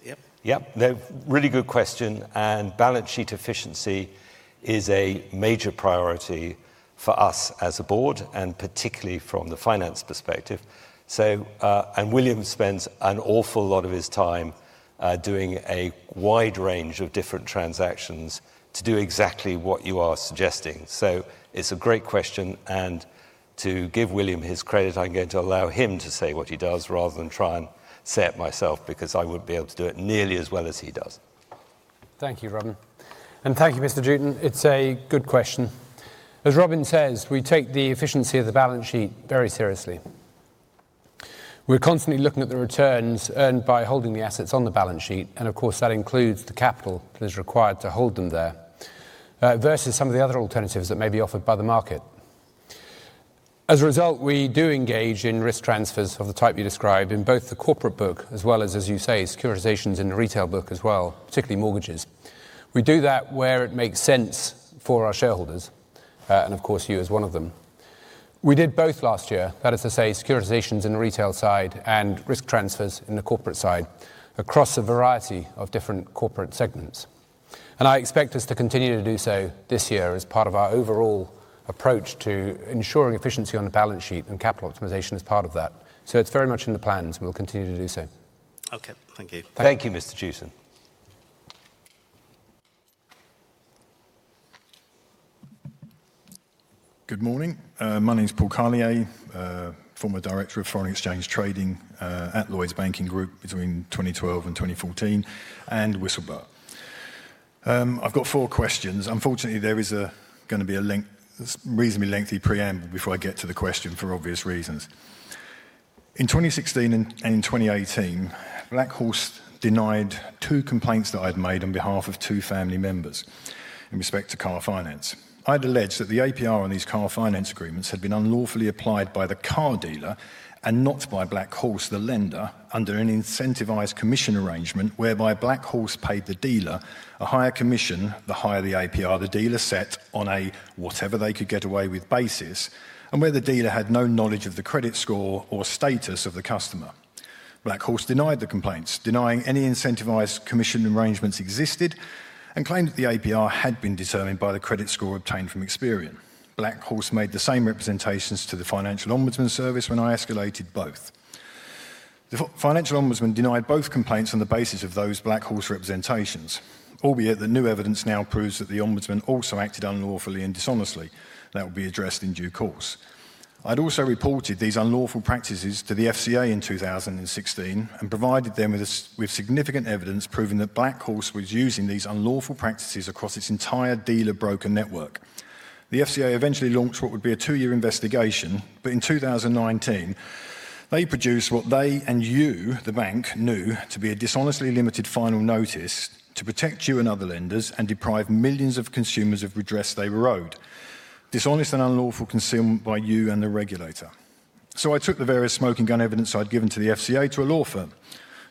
Yep. Really good question. Balance sheet efficiency is a major priority for us as a board, and particularly from the finance perspective. William spends an awful lot of his time doing a wide range of different transactions to do exactly what you are suggesting. It is a great question. To give William his credit, I am going to allow him to say what he does rather than try and say it myself because I would not be able to do it nearly as well as he does. Thank you, Robin. Thank you, Mr. Jewson. It is a good question. As Robin says, we take the efficiency of the balance sheet very seriously. We are constantly looking at the returns earned by holding the assets on the balance sheet. Of course, that includes the capital that is required to hold them there versus some of the other alternatives that may be offered by the market. As a result, we do engage in risk transfers of the type you describe in both the corporate book as well as, as you say, securitizations in the retail book as well, particularly mortgages. We do that where it makes sense for our shareholders, and of course, you as one of them. We did both last year, that is to say, securitizations in the retail side and risk transfers in the corporate side across a variety of different corporate segments. I expect us to continue to do so this year as part of our overall approach to ensuring efficiency on the balance sheet and capital optimization as part of that. It is very much in the plans. We will continue to do so. Okay. Thank you. Thank you, Mr. Jewson. Good morning. My name is Paul Carlier, former director of foreign exchange trading at Lloyds Banking Group between 2012 and 2014, and whistleblower. I've got four questions. Unfortunately, there is going to be a reasonably lengthy preamble before I get to the question for obvious reasons. In 2016 and in 2018, Black Horse denied two complaints that I had made on behalf of two family members in respect to car finance. I'd alleged that the APR on these car finance agreements had been unlawfully applied by the car dealer and not by Black Horse, the lender, under an incentivized commission arrangement whereby Black Horse paid the dealer a higher commission the higher the APR the dealer set on a whatever they could get away with basis, and where the dealer had no knowledge of the credit score or status of the customer. Black Horse denied the complaints, denying any incentivized commission arrangements existed, and claimed that the APR had been determined by the credit score obtained from Experian. Black Horse made the same representations to the Financial Ombudsman Service when I escalated both. The Financial Ombudsman denied both complaints on the basis of those Black Horse representations, albeit that new evidence now proves that the Ombudsman also acted unlawfully and dishonestly. That will be addressed in due course. I'd also reported these unlawful practices to the FCA in 2016 and provided them with significant evidence proving that Black Horse was using these unlawful practices across its entire dealer broker network. The FCA eventually launched what would be a two-year investigation, but in 2019, they produced what they and you, the bank, knew to be a dishonestly limited final notice to protect you and other lenders and deprive millions of consumers of redress they were owed. Dishonest and unlawful consumed by you and the regulator. I took the various smoking gun evidence I'd given to the FCA to a law firm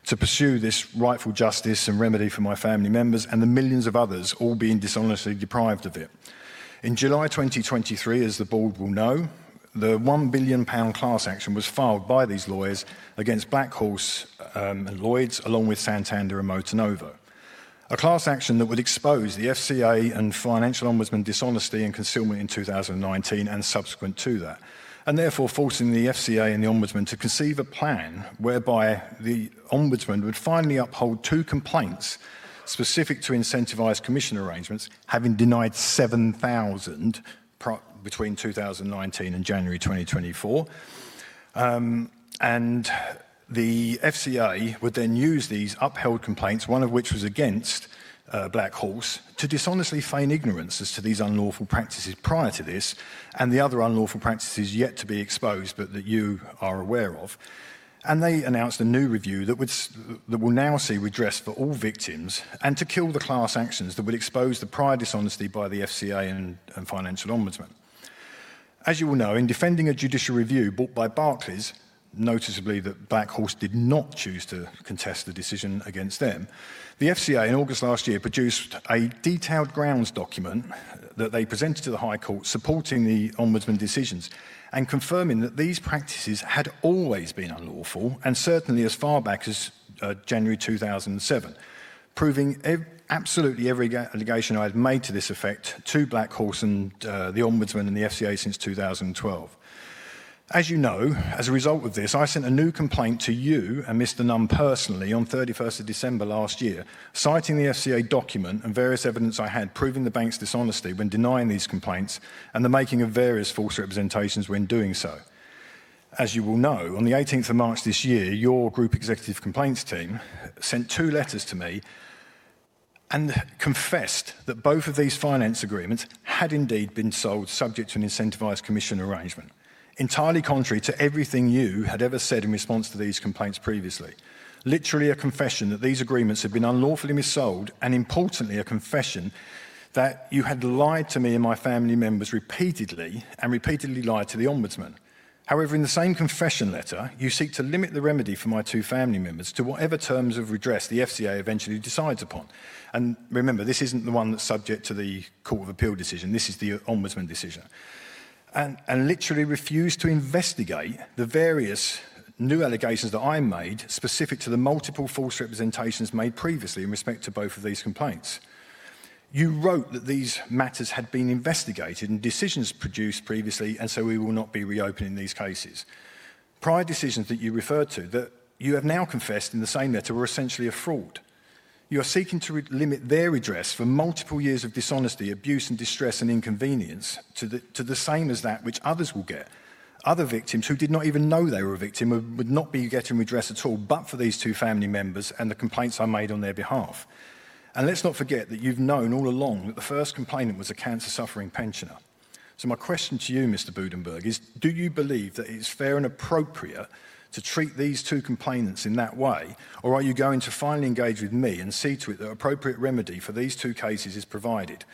to pursue this rightful justice and remedy for my family members and the millions of others, all being dishonestly deprived of it. In July 2023, as the Board will know, the GBP 1 billion class action was filed by these lawyers against Black Horse and Lloyds, along with Santander and MotorNovo, a class action that would expose the FCA and Financial Ombudsman dishonesty and concealment in 2019 and subsequent to that, and therefore forcing the FCA and the Ombudsman to conceive a plan whereby the Ombudsman would finally uphold two complaints specific to incentivized commission arrangements, having denied 7,000 between 2019 and January 2024. The FCA would then use these upheld complaints, one of which was against Black Horse, to dishonestly feign ignorance as to these unlawful practices prior to this and the other unlawful practices yet to be exposed but that you are aware of. They announced a new review that will now see redress for all victims and to kill the class actions that would expose the prior dishonesty by the FCA and Financial Ombudsman. As you will know, in defending a judicial review brought by Barclays, noticeably that Black Horse did not choose to contest the decision against them, the FCA in August last year produced a detailed grounds document that they presented to the High Court supporting the Ombudsman decisions and confirming that these practices had always been unlawful and certainly as far back as January 2007, proving absolutely every allegation I had made to this effect to Black Horse and the Ombudsman and the FCA since 2012. As you know, as a result of this, I sent a new complaint to you and Mr. Nunn personally on 31st of December last year, citing the FCA document and various evidence I had proving the bank's dishonesty when denying these complaints and the making of various false representations when doing so. As you will know, on the 18th of March this year, your group executive complaints team sent two letters to me and confessed that both of these finance agreements had indeed been sold subject to an incentivized commission arrangement, entirely contrary to everything you had ever said in response to these complaints previously. Literally a confession that these agreements had been unlawfully mis-sold and, importantly, a confession that you had lied to me and my family members repeatedly and repeatedly lied to the Ombudsman. However, in the same confession letter, you seek to limit the remedy for my two family members to whatever terms of redress the FCA eventually decides upon. Remember, this is not the one that is subject to the Court of Appeal decision. This is the Ombudsman decision. Literally refused to investigate the various new allegations that I made specific to the multiple false representations made previously in respect to both of these complaints. You wrote that these matters had been investigated and decisions produced previously, and so we will not be reopening these cases. Prior decisions that you referred to that you have now confessed in the same letter were essentially a fraud. You are seeking to limit their redress for multiple years of dishonesty, abuse, and distress and inconvenience to the same as that which others will get. Other victims who did not even know they were a victim would not be getting redress at all, but for these two family members and the complaints I made on their behalf. Let's not forget that you've known all along that the first complainant was a cancer-suffering pensioner. My question to you, Mr. Budenberg, is, do you believe that it is fair and appropriate to treat these two complainants in that way, or are you going to finally engage with me and see to it that appropriate remedy for these two cases is provided?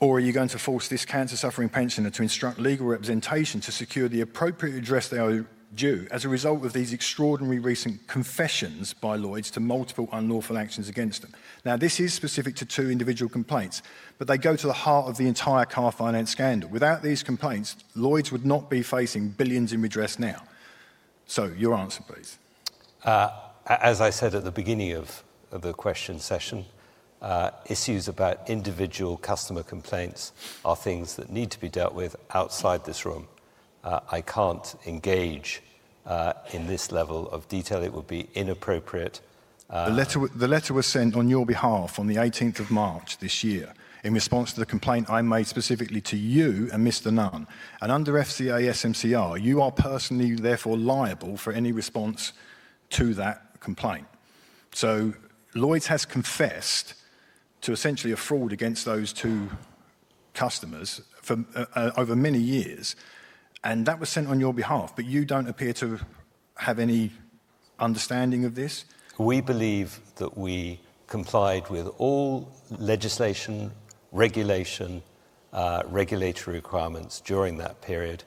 Are you going to force this cancer-suffering pensioner to instruct legal representation to secure the appropriate redress they owe due as a result of these extraordinary recent confessions by Lloyds to multiple unlawful actions against them? This is specific to two individual complaints, but they go to the heart of the entire car finance scandal. Without these complaints, Lloyds would not be facing billions in redress now. Your answer, please. As I said at the beginning of the question session, issues about individual customer complaints are things that need to be dealt with outside this room. I can't engage in this level of detail. It would be inappropriate. The letter was sent on your behalf on the 18th of March this year in response to the complaint I made specifically to you and Mr. Nunn. Under FCA SMCR, you are personally therefore liable for any response to that complaint. Lloyds has confessed to essentially a fraud against those two customers over many years. That was sent on your behalf, but you do not appear to have any understanding of this. We believe that we complied with all legislation, regulation, regulatory requirements during that period.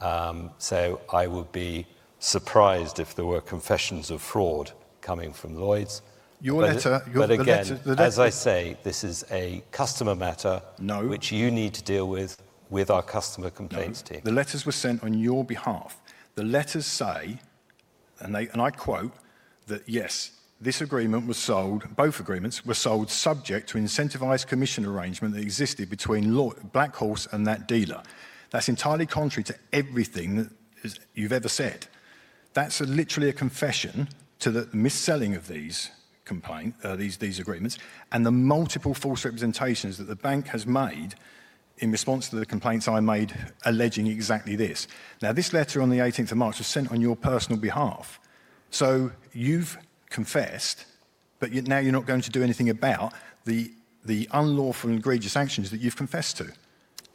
I would be surprised if there were confessions of fraud coming from Lloyds. Your letter, your complaint. As I say, this is a customer matter which you need to deal with with our customer complaints team. The letters were sent on your behalf. The letters say, and I quote, that yes, this agreement was sold, both agreements were sold subject to incentivized commission arrangement that existed between Black Horse and that dealer. That's entirely contrary to everything that you've ever said. That's literally a confession to the mis-selling of these complaints, these agreements, and the multiple false representations that the bank has made in response to the complaints I made alleging exactly this. Now, this letter on the 18th of March was sent on your personal behalf. You have confessed, but now you're not going to do anything about the unlawful and egregious actions that you've confessed to.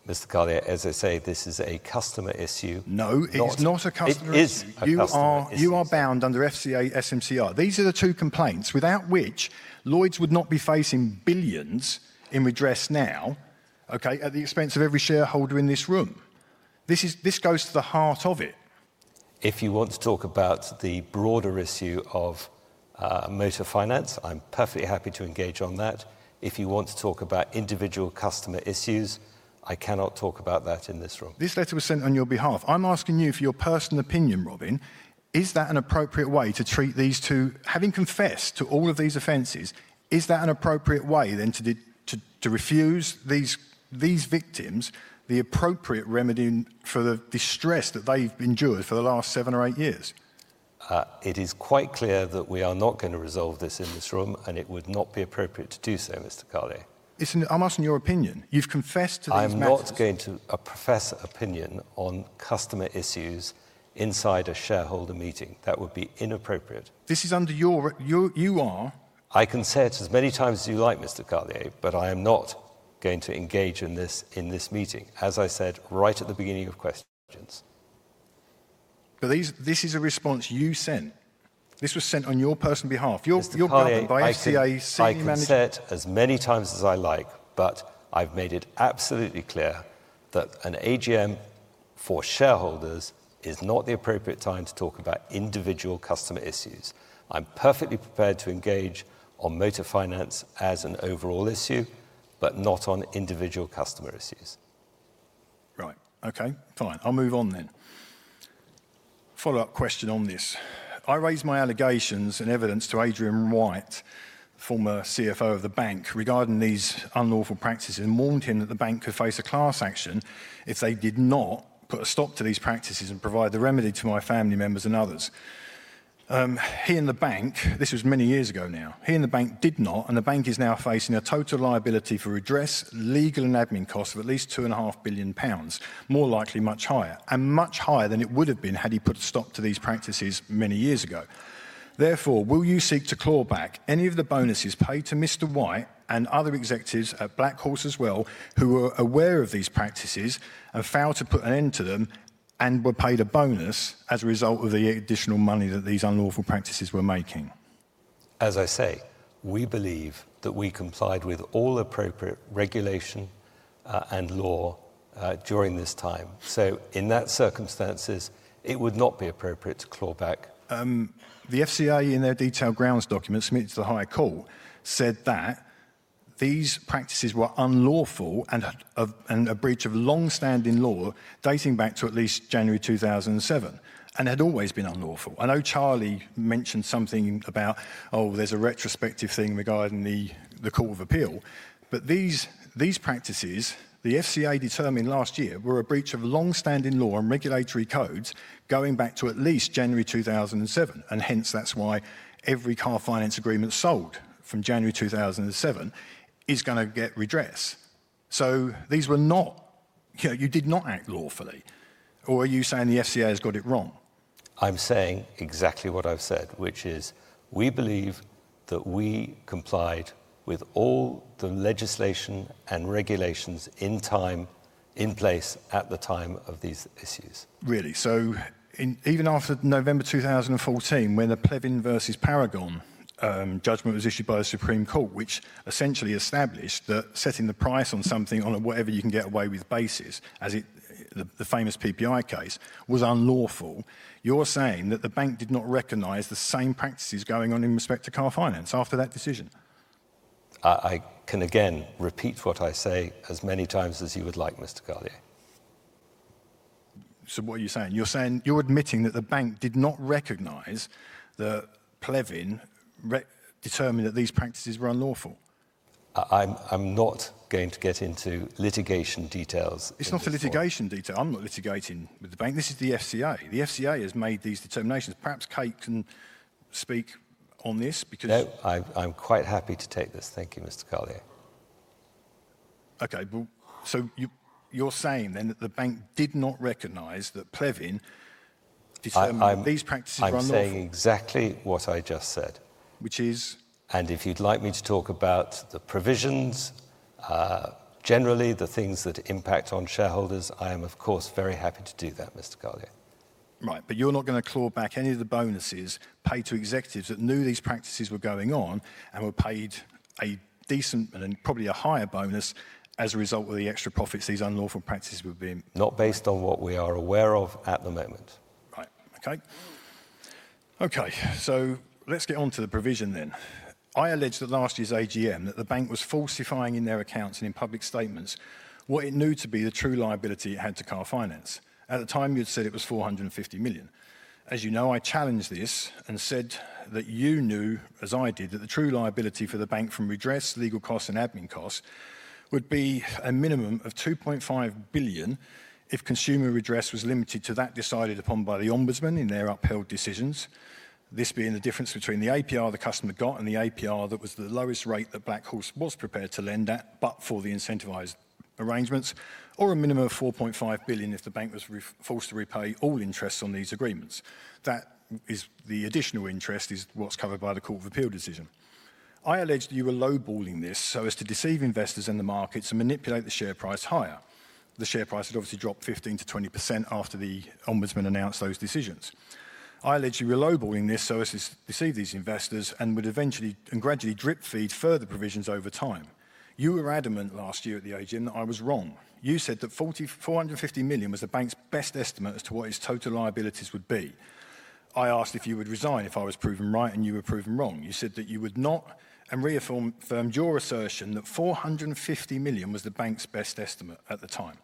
Mr. Carlier, as I say, this is a customer issue. No, it is not a customer issue. You are bound under FCA SMCR. These are the two complaints without which Lloyds would not be facing billions in redress now, okay, at the expense of every shareholder in this room. This goes to the heart of it. If you want to talk about the broader issue of motor finance, I'm perfectly happy to engage on that. If you want to talk about individual customer issues, I cannot talk about that in this room. This letter was sent on your behalf. I'm asking you for your personal opinion, Robin. Is that an appropriate way to treat these two, having confessed to all of these offenses? Is that an appropriate way then to refuse these victims the appropriate remedy for the distress that they've endured for the last seven or eight years? It is quite clear that we are not going to resolve this in this room, and it would not be appropriate to do so, Mr. Carlier. Listen, I'm asking your opinion. You've confessed to these facts. I'm not going to profess opinion on customer issues inside a shareholder meeting. That would be inappropriate. This is under your, you are. I can say it as many times as you like, Mr. Carlier, but I am not going to engage in this meeting, as I said right at the beginning of questions. This is a response you sent. This was sent on your personal behalf. Your partner by FCA City Manager. I can say it as many times as I like, but I've made it absolutely clear that an AGM for shareholders is not the appropriate time to talk about individual customer issues. I'm perfectly prepared to engage on motor finance as an overall issue, but not on individual customer issues. Right. Okay. Fine. I'll move on then. Follow-up question on this. I raised my allegations and evidence to Adrian White, former CFO of the bank, regarding these unlawful practices and warned him that the bank could face a class action if they did not put a stop to these practices and provide the remedy to my family members and others. He and the bank, this was many years ago now, he and the bank did not, and the bank is now facing a total liability for redress, legal and admin costs of at least 2.5 billion pounds, more likely much higher, and much higher than it would have been had he put a stop to these practices many years ago. Therefore, will you seek to claw back any of the bonuses paid to Mr. White and other executives at Black Horse as well who were aware of these practices and failed to put an end to them and were paid a bonus as a result of the additional money that these unlawful practices were making? As I say, we believe that we complied with all appropriate regulation and law during this time. In that circumstance, it would not be appropriate to claw back. The FCA in their detailed grounds document submitted to the High Court said that these practices were unlawful and a breach of long-standing law dating back to at least January 2007 and had always been unlawful. I know Charlie mentioned something about, oh, there's a retrospective thing regarding the Court of Appeal, but these practices, the FCA determined last year, were a breach of long-standing law and regulatory codes going back to at least January 2007. Hence, that's why every car finance agreement sold from January 2007 is going to get redress. These were not, you did not act lawfully, or are you saying the FCA has got it wrong? I'm saying exactly what I've said, which is we believe that we complied with all the legislation and regulations in place at the time of these issues. Really? So even after November 2014, when the Plevin vs Paragon judgment was issued by the Supreme Court, which essentially established that setting the price on something on a whatever you can get away with basis, as the famous PPI case, was unlawful, you're saying that the bank did not recognize the same practices going on in respect to car finance after that decision? I can again repeat what I say as many times as you would like, Mr. Carlier. What are you saying? You're admitting that the bank did not recognize that Plevin determined that these practices were unlawful. I'm not going to get into litigation details. It's not a litigation detail. I'm not litigating with the bank. This is the FCA. The FCA has made these determinations. Perhaps Kate can speak on this because. No, I'm quite happy to take this. Thank you, Mr. Carlier. Okay. So you're saying then that the bank did not recognize that Plevin determined these practices were unlawful? I'm saying exactly what I just said. Which is? If you'd like me to talk about the provisions, generally the things that impact on shareholders, I am, of course, very happy to do that, Mr. Carlier. Right. You are not going to claw back any of the bonuses paid to executives that knew these practices were going on and were paid a decent and probably a higher bonus as a result of the extra profits these unlawful practices were being? Not based on what we are aware of at the moment. Right. Okay. Okay. So let's get on to the provision then. I alleged at last year's AGM that the bank was falsifying in their accounts and in public statements what it knew to be the true liability it had to car finance. At the time, you'd said it was 450 million. As you know, I challenged this and said that you knew, as I did, that the true liability for the bank from redress, legal costs, and admin costs would be a minimum of 2.5 billion if consumer redress was limited to that decided upon by the Ombudsman in their upheld decisions, this being the difference between the APR the customer got and the APR that was the lowest rate that Black Horse was prepared to lend at, but for the incentivized arrangements, or a minimum of 4.5 billion if the bank was forced to repay all interest on these agreements. That is, the additional interest is what's covered by the Court of Appeal decision. I alleged that you were lowballing this so as to deceive investors and the markets and manipulate the share price higher. The share price had obviously dropped 15-20% after the Ombudsman announced those decisions. I alleged you were lowballing this so as to deceive these investors and would eventually and gradually drip-feed further provisions over time. You were adamant last year at the AGM that I was wrong. You said that 450 million was the bank's best estimate as to what its total liabilities would be. I asked if you would resign if I was proven right and you were proven wrong. You said that you would not and reaffirmed your assertion that 450 million was the bank's best estimate at the time.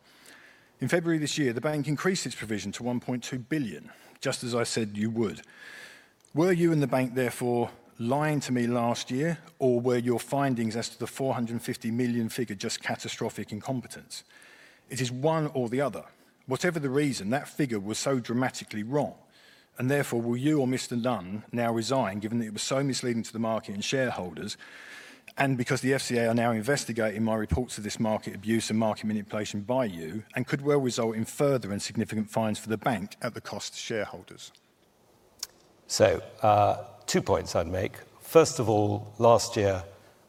In February this year, the bank increased its provision to 1.2 billion, just as I said you would. Were you and the bank therefore lying to me last year, or were your findings as to the 450 million figure just catastrophic incompetence? It is one or the other. Whatever the reason, that figure was so dramatically wrong. Therefore, will you or Mr. Nunn now resign, given that it was so misleading to the market and shareholders, and because the FCA are now investigating my reports of this market abuse and market manipulation by you, and could well result in further and significant fines for the bank at the cost of shareholders? Two points I'd make. First of all, last year,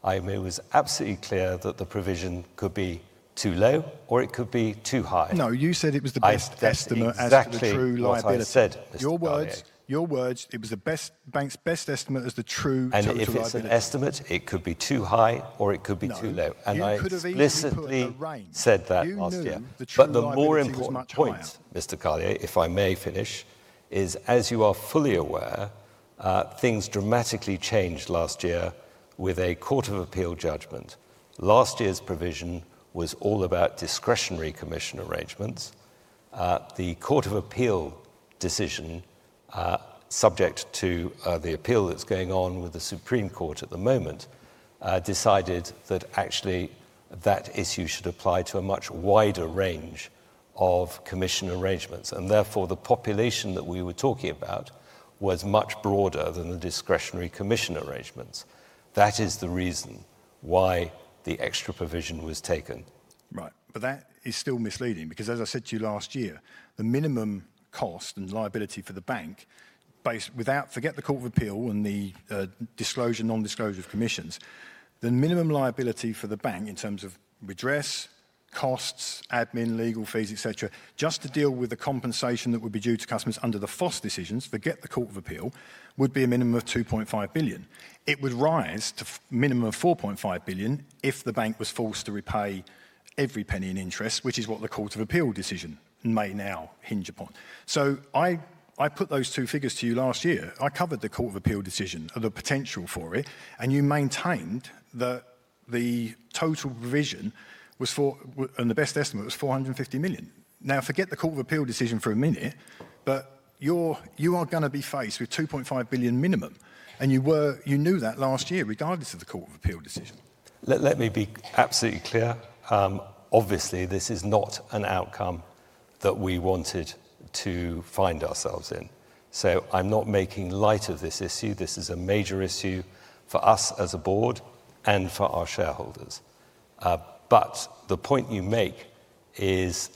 it was absolutely clear that the provision could be too low or it could be too high. No, you said it was the best estimate as to the true liability. As I said, Mr. Carlier. Your words, it was the bank's best estimate as the true trade-off. If it is an estimate, it could be too high or it could be too low. I explicitly said that last year. The more important point, Mr. Carlier, if I may finish, is as you are fully aware, things dramatically changed last year with a Court of Appeal judgment. Last year's provision was all about discretionary commission arrangements. The Court of Appeal decision, subject to the appeal that is going on with the Supreme Court at the moment, decided that actually that issue should apply to a much wider range of commission arrangements. Therefore, the population that we were talking about was much broader than the discretionary commission arrangements. That is the reason why the extra provision was taken. Right. That is still misleading because, as I said to you last year, the minimum cost and liability for the bank, without forgetting the Court of Appeal and the disclosure, non-disclosure of commissions, the minimum liability for the bank in terms of redress, costs, admin, legal fees, etc., just to deal with the compensation that would be due to customers under the Foskett decisions, forget the Court of Appeal, would be a minimum of 2.5 billion. It would rise to a minimum of 4.5 billion if the bank was forced to repay every penny in interest, which is what the Court of Appeal decision may now hinge upon. I put those two figures to you last year. I covered the Court of Appeal decision, the potential for it, and you maintained that the total provision was for, and the best estimate was 450 million. Now, forget the Court of Appeal decision for a minute, but you are going to be faced with 2.5 billion minimum. And you knew that last year regardless of the Court of Appeal decision. Let me be absolutely clear. Obviously, this is not an outcome that we wanted to find ourselves in. I'm not making light of this issue. This is a major issue for us as a board and for our shareholders. The point you make is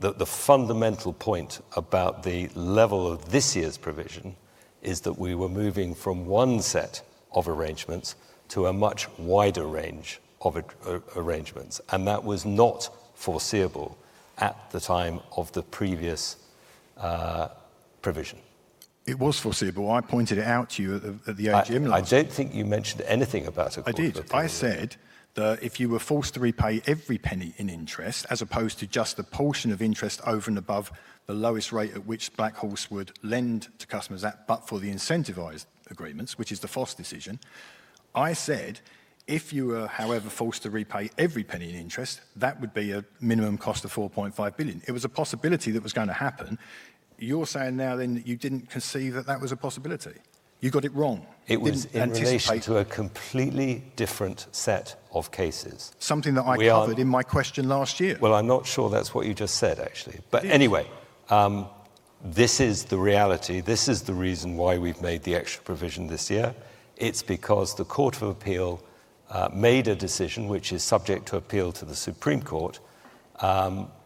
that the fundamental point about the level of this year's provision is that we were moving from one set of arrangements to a much wider range of arrangements. That was not foreseeable at the time of the previous provision. It was foreseeable. I pointed it out to you at the AGM last year. I don't think you mentioned anything about it. I did. I said that if you were forced to repay every penny in interest as opposed to just the portion of interest over and above the lowest rate at which Black Horse would lend to customers at, but for the incentivized agreements, which is the Foskett decision, I said if you were, however, forced to repay every penny in interest, that would be a minimum cost of 4.5 billion. It was a possibility that was going to happen. You're saying now then you didn't conceive that that was a possibility. You got it wrong. It was anticipated. To a completely different set of cases. Something that I covered in my question last year. I'm not sure that's what you just said, actually. Anyway, this is the reality. This is the reason why we've made the extra provision this year. It's because the Court of Appeal made a decision which is subject to appeal to the Supreme Court,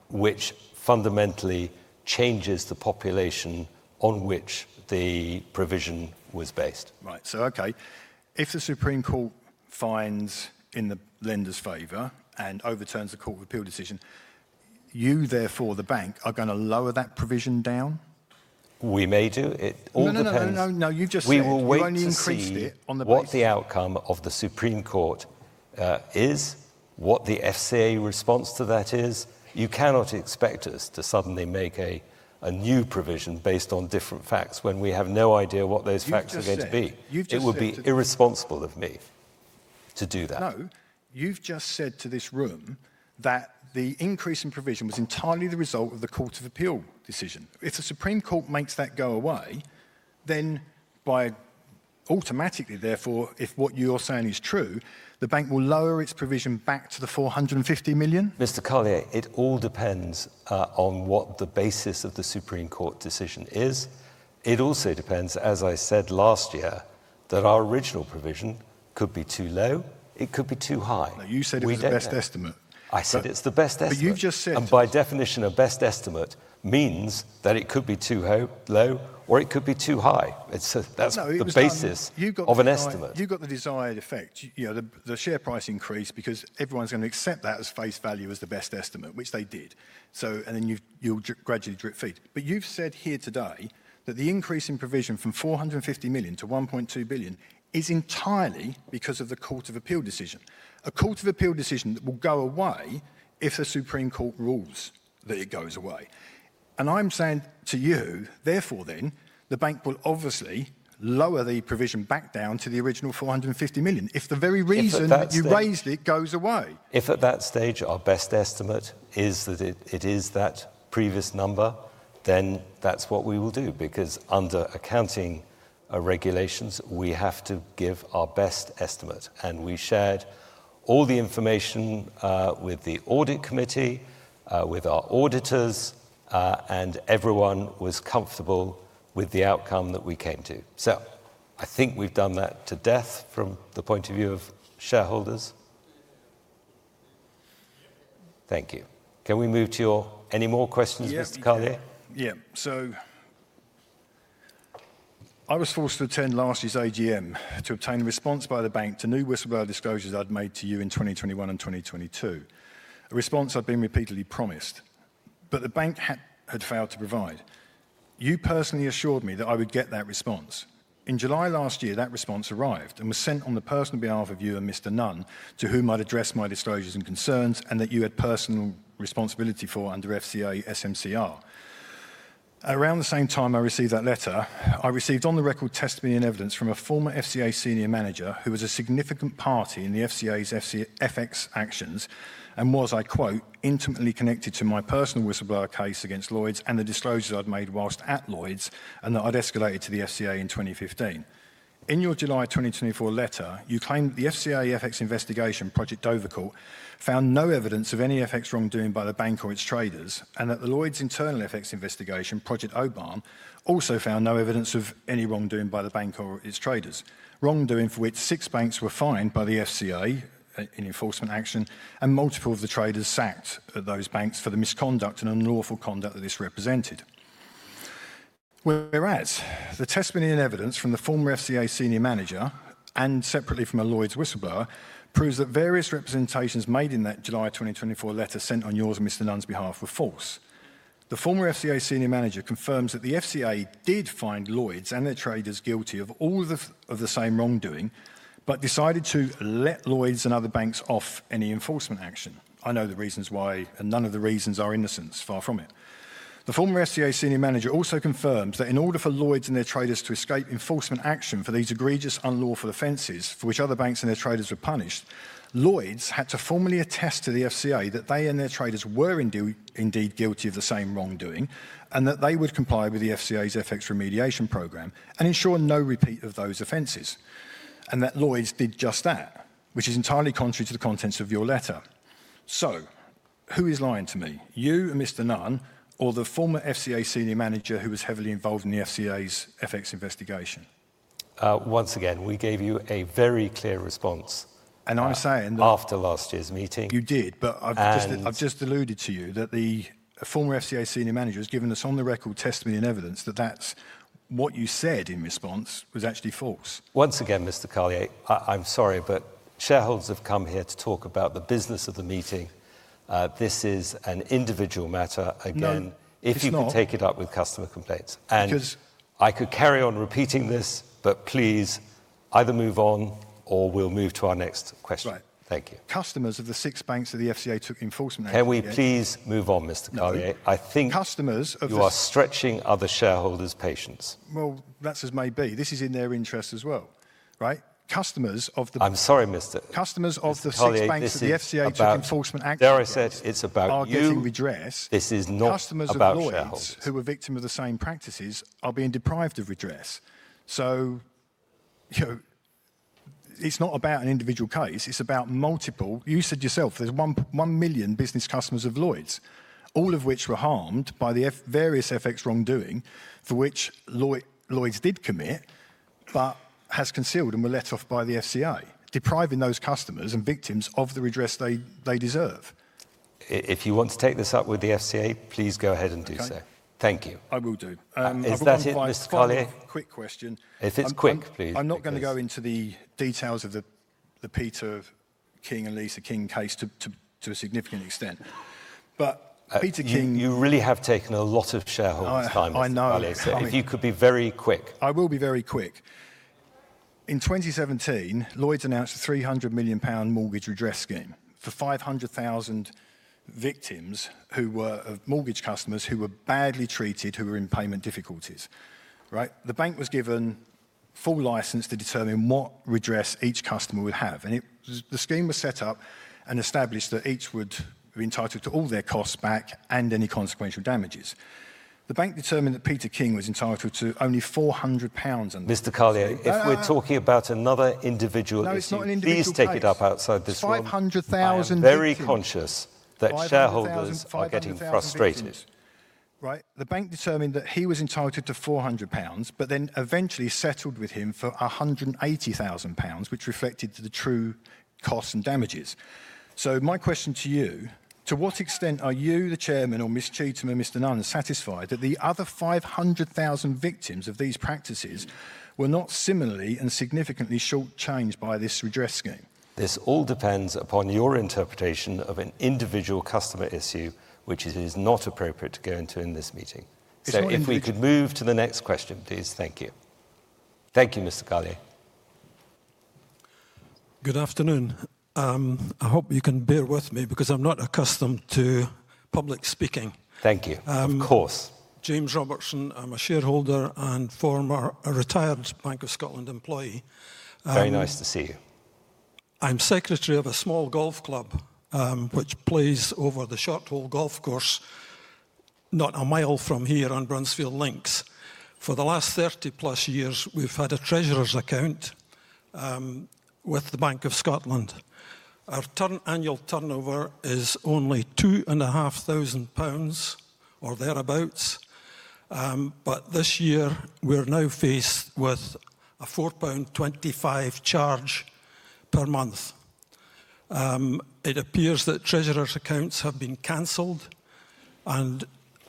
which fundamentally changes the population on which the provision was based. Right. Okay. If the Supreme Court finds in the lender's favor and overturns the Court of Appeal decision, you, therefore, the bank, are going to lower that provision down? We may do. It all depends. No, no, no. You've just said you've only increased it on the basis. What the outcome of the Supreme Court is, what the FCA response to that is, you cannot expect us to suddenly make a new provision based on different facts when we have no idea what those facts are going to be. It would be irresponsible of me to do that. No, you've just said to this room that the increase in provision was entirely the result of the Court of Appeal decision. If the Supreme Court makes that go away, then automatically, therefore, if what you're saying is true, the bank will lower its provision back to 450 million? Mr. Carlier, it all depends on what the basis of the Supreme Court decision is. It also depends, as I said last year, that our original provision could be too low. It could be too high. No, you said it was the best estimate. I said it's the best estimate. You've just said. By definition, a best estimate means that it could be too low or it could be too high. That's the basis of an estimate. You've got the desired effect. The share price increase because everyone's going to accept that as face value as the best estimate, which they did. You will gradually drip-feed. You have said here today that the increase in provision from 450 million to 1.2 billion is entirely because of the Court of Appeal decision. A Court of Appeal decision that will go away if the Supreme Court rules that it goes away. I am saying to you, therefore, the bank will obviously lower the provision back down to the original 450 million if the very reason that you raised it goes away. If at that stage our best estimate is that it is that previous number, then that's what we will do because under accounting regulations, we have to give our best estimate. We shared all the information with the audit committee, with our auditors, and everyone was comfortable with the outcome that we came to. I think we've done that to death from the point of view of shareholders. Thank you. Can we move to any more questions, Mr. Carlier? Yeah. I was forced to attend last year's AGM to obtain a response by the bank to new whistleblower disclosures I'd made to you in 2021 and 2022. A response I'd been repeatedly promised, but the bank had failed to provide. You personally assured me that I would get that response. In July last year, that response arrived and was sent on the personal behalf of you and Mr. Nunn to whom I'd addressed my disclosures and concerns and that you had personal responsibility for under FCA SMCR. Around the same time I received that letter, I received on the record testimony and evidence from a former FCA senior manager who was a significant party in the FCA's FX actions and was, I quote, "intimately connected to my personal whistleblower case against Lloyds and the disclosures I'd made whilst at Lloyds and that I'd escalated to the FCA in 2015." In your July 2024 letter, you claimed that the FCA FX investigation, Project Dover Court, found no evidence of any FX wrongdoing by the bank or its traders and that the Lloyds internal FX investigation, Project [Obar], also found no evidence of any wrongdoing by the bank or its traders, wrongdoing for which six banks were fined by the FCA in enforcement action and multiple of the traders sacked at those banks for the misconduct and unlawful conduct that this represented. Whereas the testimony and evidence from the former FCA senior manager and separately from a Lloyds whistleblower proves that various representations made in that July 2024 letter sent on yours and Mr. Nunn's behalf were false. The former FCA senior manager confirms that the FCA did find Lloyds and their traders guilty of all of the same wrongdoing, but decided to let Lloyds and other banks off any enforcement action. I know the reasons why, and none of the reasons are innocence, far from it. The former FCA senior manager also confirms that in order for Lloyds and their traders to escape enforcement action for these egregious, unlawful offenses for which other banks and their traders were punished, Lloyds had to formally attest to the FCA that they and their traders were indeed guilty of the same wrongdoing and that they would comply with the FCA's FX remediation program and ensure no repeat of those offenses. Lloyds did just that, which is entirely contrary to the contents of your letter. Who is lying to me? You, Mr. Nunn, or the former FCA senior manager who was heavily involved in the FCA's FX investigation? Once again, we gave you a very clear response. I'm saying that after last year's meeting. You did, but I've just alluded to you that the former FCA senior manager has given us on the record testimony and evidence that that's what you said in response was actually false. Once again, Mr. Carlier, I'm sorry, but shareholders have come here to talk about the business of the meeting. This is an individual matter again. No, not at all. If you can take it up with customer complaints. Because. I could carry on repeating this, but please either move on or we'll move to our next question. Right. Thank you. Customers of the six banks of the FCA took enforcement action. Can we please move on, Mr. Carlier? Customers of the. You are stretching other shareholders' patience. That is as may be. This is in their interest as well, right? Customers of the. I'm sorry, Mr. Customers of the six banks of the FCA took enforcement action. There, I said it's about you. Are getting redress. This is not about shareholders. Customers of Lloyds who were victims of the same practices are being deprived of redress. It is not about an individual case. It is about multiple. You said yourself there is one million business customers of Lloyds, all of which were harmed by the various FX wrongdoing for which Lloyds did commit, but has concealed and were let off by the FCA, depriving those customers and victims of the redress they deserve. If you want to take this up with the FCA, please go ahead and do so. Okay. Thank you. I will do. Is that it, Mr. Carlier? Quick question. If it's quick, please. I'm not going to go into the details of the Peter King and Lisa King case to a significant extent. But Peter King. You really have taken a lot of shareholders' time, Mr. Carlier. I know. You could be very quick. I will be very quick. In 2017, Lloyds announced a 300 million pound mortgage redress scheme for 500,000 victims who were mortgage customers who were badly treated, who were in payment difficulties. The bank was given full license to determine what redress each customer would have. The scheme was set up and established that each would be entitled to all their costs back and any consequential damages. The bank determined that Peter King was entitled to only GBP 400. Mr. Carlier, if we're talking about another individual issue, please take it up outside this room. It's 500,000. Very conscious that shareholders are getting frustrated. Right. The bank determined that he was entitled to 400 pounds, but then eventually settled with him for 180,000 pounds, which reflected the true costs and damages. So my question to you, to what extent are you, the Chairman, or Ms. Cheetham and Mr. Nunn, satisfied that the other 500,000 victims of these practices were not similarly and significantly shortchanged by this redress scheme? This all depends upon your interpretation of an individual customer issue, which is not appropriate to go into in this meeting. If you could. If we could move to the next question, please. Thank you. Thank you, Mr. Carlier. Good afternoon. I hope you can bear with me because I'm not accustomed to public speaking. Thank you. Of course. James Robertson. I'm a shareholder and former retired Bank of Scotland employee. Very nice to see you. I'm secretary of a small golf club, which plays over the [Sharpthall] Golf Course, not a mile from here on Brunsfield Links. For the last 30-plus years, we've had a treasurer's account with the Bank of Scotland. Our annual turnover is only 2,500 pounds or thereabouts. This year, we're now faced with a 4.25 pound charge per month. It appears that treasurer's accounts have been canceled and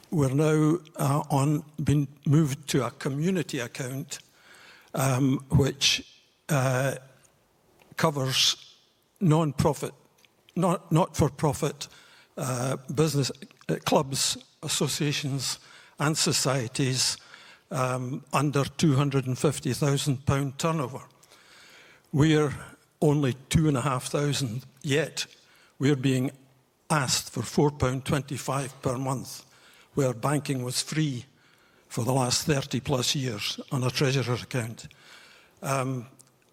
we're now being moved to a community account, which covers nonprofit, not-for-profit business clubs, associations, and societies under 250,000 pound turnover. We're only 2,500 yet. We're being asked for 4.25 pound per month, where banking was free for the last 30-plus years on a treasurer's account.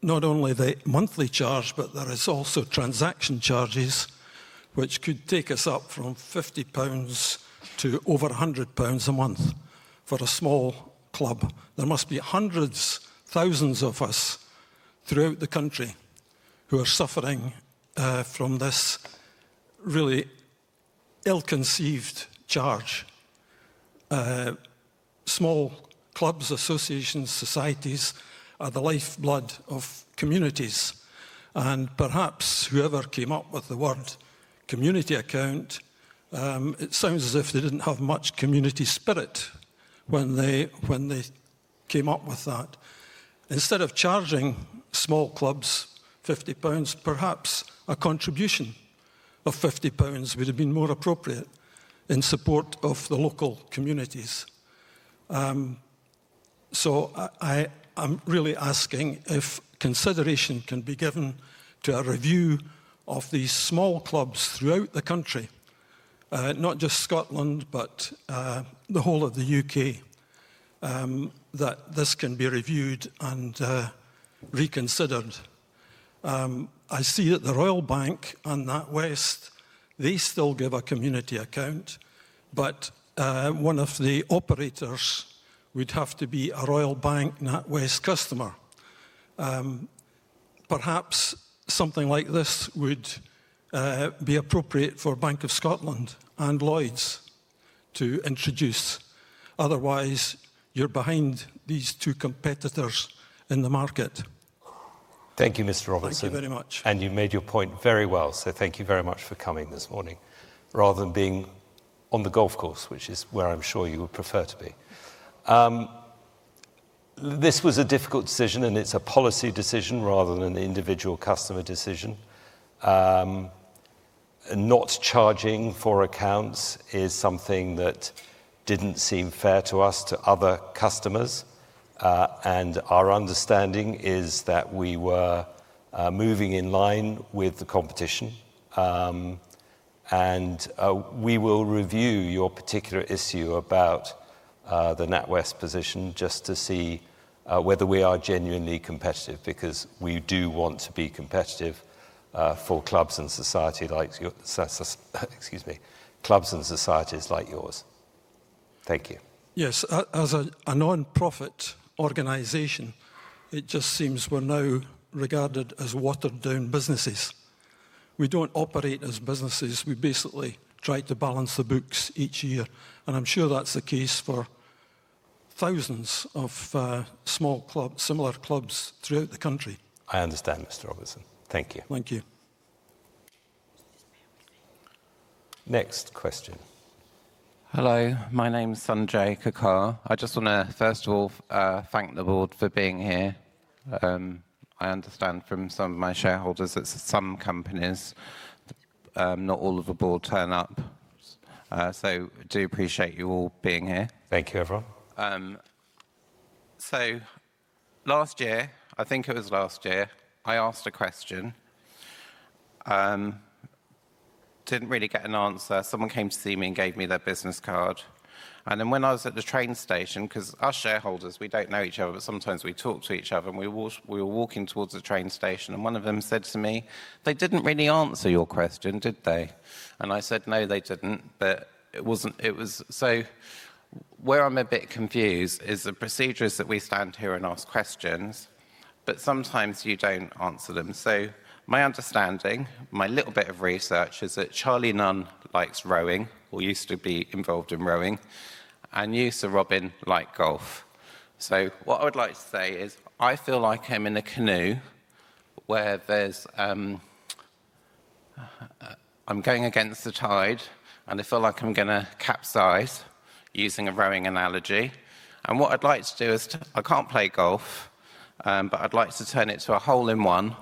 Not only the monthly charge, but there are also transaction charges, which could take us up from 50 pounds to over 100 pounds a month for a small club. There must be hundreds, thousands of us throughout the country who are suffering from this really ill-conceived charge. Small clubs, associations, societies are the lifeblood of communities. Perhaps whoever came up with the word community account, it sounds as if they did not have much community spirit when they came up with that. Instead of charging small clubs 50 pounds, perhaps a contribution of 50 pounds would have been more appropriate in support of the local communities. I am really asking if consideration can be given to a review of these small clubs throughout the country, not just Scotland, but the whole of the U.K., that this can be reviewed and reconsidered. I see that the Royal Bank and NatWest, they still give a community account, but one of the operators would have to be a Royal Bank NatWest customer. Perhaps something like this would be appropriate for Bank of Scotland and Lloyds to introduce. Otherwise, you're behind these two competitors in the market. Thank you, Mr. Robertson. Thank you very much. You made your point very well. Thank you very much for coming this morning rather than being on the golf course, which is where I am sure you would prefer to be. This was a difficult decision, and it is a policy decision rather than an individual customer decision. Not charging for accounts is something that did not seem fair to us, to other customers. Our understanding is that we were moving in line with the competition. We will review your particular issue about the NatWest position just to see whether we are genuinely competitive because we do want to be competitive for clubs and societies like yours. Thank you. Yes. As a nonprofit organization, it just seems we're now regarded as watered-down businesses. We don't operate as businesses. We basically try to balance the books each year. I'm sure that's the case for thousands of small clubs, similar clubs throughout the country. I understand, Mr. Robertson. Thank you. Thank you. Next question. Hello. My name's Sanjay Kakar. I just want to, first of all, thank the board for being here. I understand from some of my shareholders that some companies, not all of the board, turn up. I do appreciate you all being here. Thank you, everyone. Last year, I think it was last year, I asked a question. Didn't really get an answer. Someone came to see me and gave me their business card. When I was at the train station, because us shareholders, we don't know each other, but sometimes we talk to each other, and we were walking towards the train station, and one of them said to me, "They didn't really answer your question, did they?" I said, "No, they didn't." Where I'm a bit confused is the procedures that we stand here and ask questions, but sometimes you don't answer them. My understanding, my little bit of research, is that Charlie Nunn likes rowing or used to be involved in rowing and Yusur Robin liked golf. What I would like to say is I feel like I'm in a canoe where I'm going against the tide, and I feel like I'm going to capsize using a rowing analogy. What I'd like to do is I can't play golf, but I'd like to turn it to a hole-in-one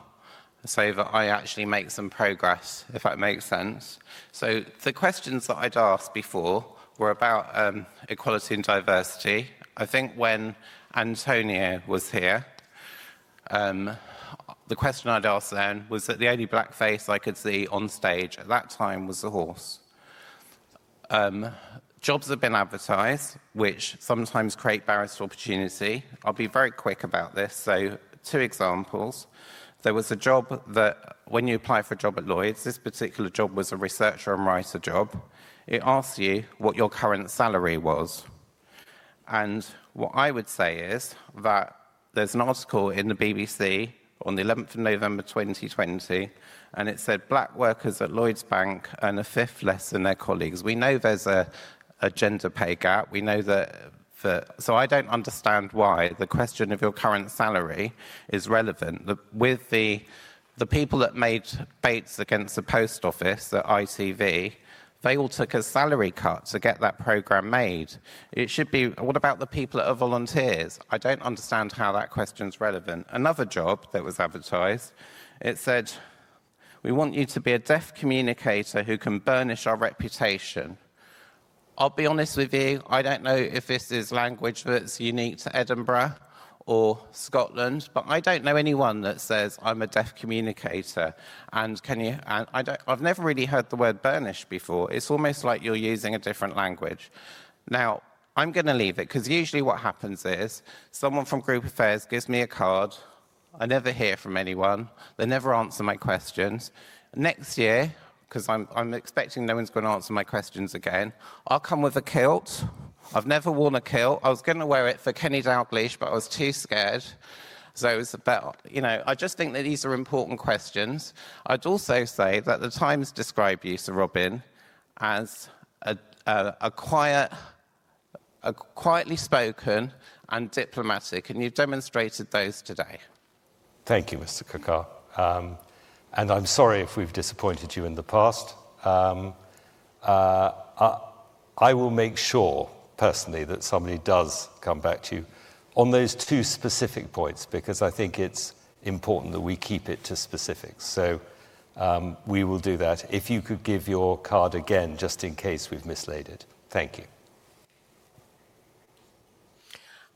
so that I actually make some progress, if that makes sense. The questions that I'd asked before were about equality and diversity. I think when Antonia was here, the question I'd asked then was that the only black face I could see on stage at that time was a horse. Jobs have been advertised, which sometimes create barriers to opportunity. I'll be very quick about this. Two examples. There was a job that when you apply for a job at Lloyds, this particular job was a researcher and writer job. It asks you what your current salary was. What I would say is that there's an article in the BBC on the 11th of November, 2020, and it said, "Black workers at Lloyds Bank earn a fifth less than their colleagues." We know there's a gender pay gap. We know that. I don't understand why the question of your current salary is relevant. With the people that made baits against the post office, the ITV, they all took a salary cut to get that program made. It should be, "What about the people that are volunteers?" I don't understand how that question's relevant. Another job that was advertised, it said, "We want you to be a deaf communicator who can burnish our reputation." I'll be honest with you, I don't know if this is language that's unique to Edinburgh or Scotland, but I don't know anyone that says, "I'm a deaf communicator." And I've never really heard the word burnish before. It's almost like you're using a different language. Now, I'm going to leave it because usually what happens is someone from Group Affairs gives me a card. I never hear from anyone. They never answer my questions. Next year, because I'm expecting no one's going to answer my questions again, I'll come with a kilt. I've never worn a kilt. I was going to wear it for Kenny Dalglish, but I was too scared. I just think that these are important questions. I'd also say that The Times described you, Sirr Robin as quietly spoken and diplomatic, and you've demonstrated those today. Thank you, Mr. Kakar. I'm sorry if we've disappointed you in the past. I will make sure personally that somebody does come back to you on those two specific points because I think it's important that we keep it to specifics. We will do that. If you could give your card again, just in case we've mislaid it. Thank you.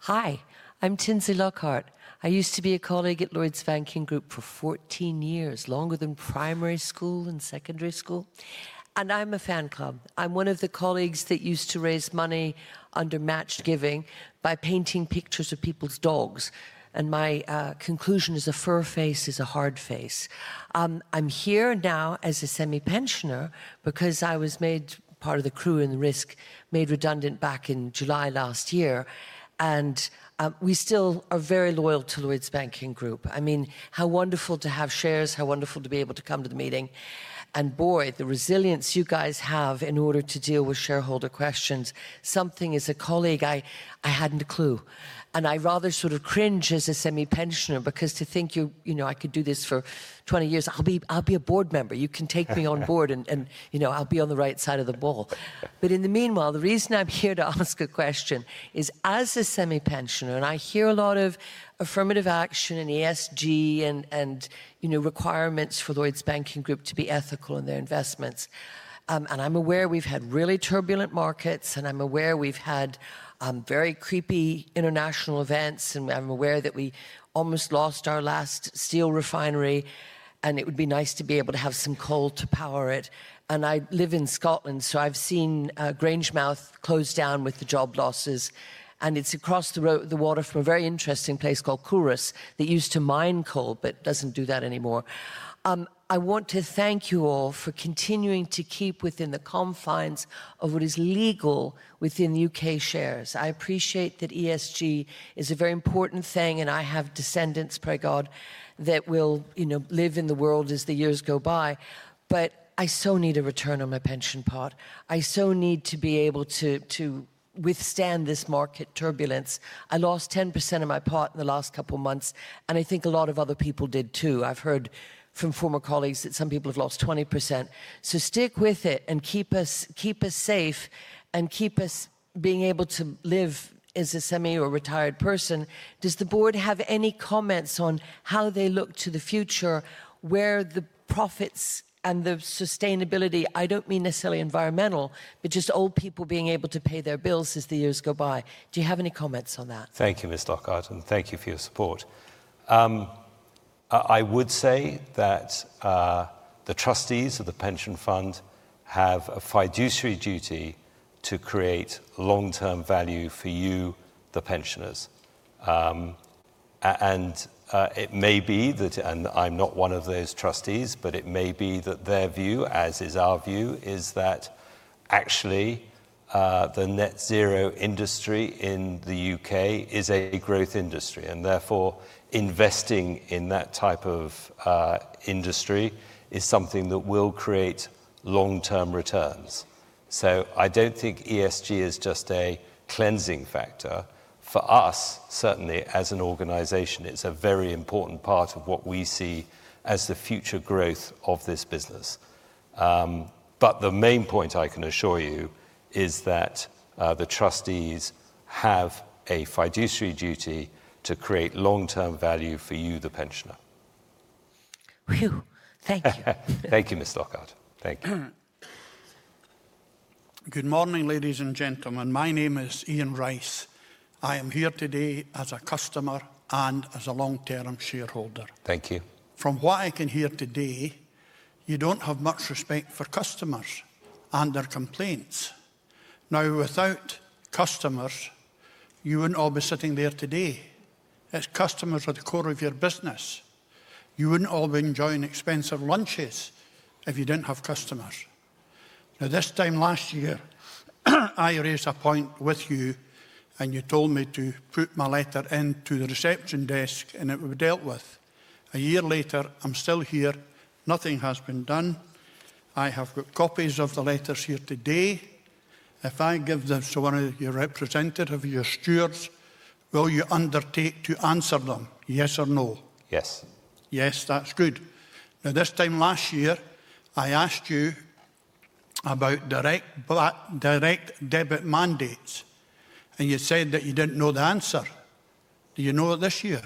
Hi. I'm Tinsley Lockhart. I used to be a colleague at Lloyds Banking Group for 14 years, longer than primary school and secondary school. I'm a fan club. I'm one of the colleagues that used to raise money under match giving by painting pictures of people's dogs. My conclusion is a fur face is a hard face. I'm here now as a semi-pensioner because I was made part of the crew and the risk made redundant back in July last year. We still are very loyal to Lloyds Banking Group. I mean, how wonderful to have shares, how wonderful to be able to come to the meeting. Boy, the resilience you guys have in order to deal with shareholder questions. Something as a colleague, I hadn't a clue. I rather sort of cringe as a semi-pensioner because to think, "I could do this for 20 years. I'll be a board member. You can take me on board, and I'll be on the right side of the ball." In the meanwhile, the reason I'm here to ask a question is as a semi-pensioner, and I hear a lot of affirmative action and ESG and requirements for Lloyds Banking Group to be ethical in their investments. I'm aware we've had really turbulent markets, and I'm aware we've had very creepy international events, and I'm aware that we almost lost our last steel refinery, and it would be nice to be able to have some coal to power it. I live in Scotland, so I've seen Grangemouth close down with the job losses. It is across the water from a very interesting place called [Corus] that used to mine coal but does not do that anymore. I want to thank you all for continuing to keep within the confines of what is legal within U.K. shares. I appreciate that ESG is a very important thing, and I have descendants, pray God, that will live in the world as the years go by. I so need a return on my pension pot. I so need to be able to withstand this market turbulence. I lost 10% of my pot in the last couple of months, and I think a lot of other people did too. I have heard from former colleagues that some people have lost 20%. Stick with it and keep us safe and keep us being able to live as a semi or retired person. Does the board have any comments on how they look to the future, where the profits and the sustainability? I do not mean necessarily environmental, but just old people being able to pay their bills as the years go by. Do you have any comments on that? Thank you, Ms. Lockhart, and thank you for your support. I would say that the trustees of the pension fund have a fiduciary duty to create long-term value for you, the pensioners. It may be that, and I'm not one of those trustees, but it may be that their view, as is our view, is that actually the net-zero industry in the U.K. is a growth industry. Therefore, investing in that type of industry is something that will create long-term returns. I do not think ESG is just a cleansing factor. For us, certainly, as an organization, it is a very important part of what we see as the future growth of this business. The main point I can assure you is that the trustees have a fiduciary duty to create long-term value for you, the pensioner. Whew. Thank you. Thank you, Ms. Lockhart. Thank you. Good morning, ladies and gentlemen. My name is Ian Rice. I am here today as a customer and as a long-term shareholder. Thank you. From what I can hear today, you do not have much respect for customers and their complaints. Now, without customers, you would not all be sitting there today. As customers are the core of your business, you would not all be enjoying expensive lunches if you did not have customers. Now, this time last year, I raised a point with you, and you told me to put my letter into the reception desk, and it would be dealt with. A year later, I am still here. Nothing has been done. I have got copies of the letters here today. If I give them to one of your representatives, your stewards, will you undertake to answer them? Yes or no? Yes. Yes, that's good. Now, this time last year, I asked you about direct debit mandates, and you said that you didn't know the answer. Do you know it this year?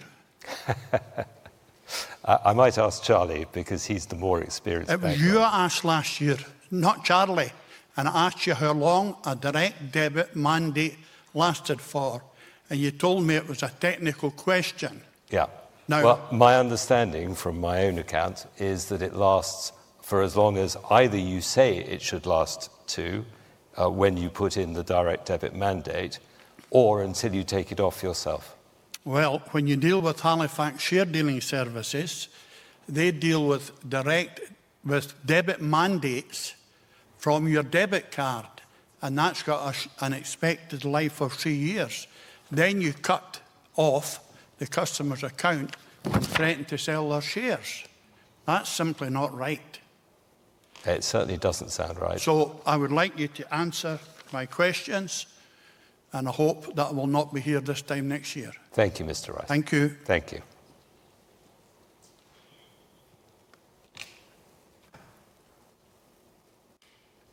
I might ask Charlie because he's the more experienced person. You asked last year, not Charlie. I asked you how long a direct debit mandate lasted for, and you told me it was a technical question. Yeah. My understanding from my own account is that it lasts for as long as either you say it should last to when you put in the direct debit mandate or until you take it off yourself. When you deal with Halifax Share Dealing Services, they deal with direct debit mandates from your debit card, and that's got an expected life of three years. You cut off the customer's account and threaten to sell their shares. That's simply not right. It certainly doesn't sound right. I would like you to answer my questions, and I hope that I will not be here this time next year. Thank you, Mr. Rice. Thank you. Thank you.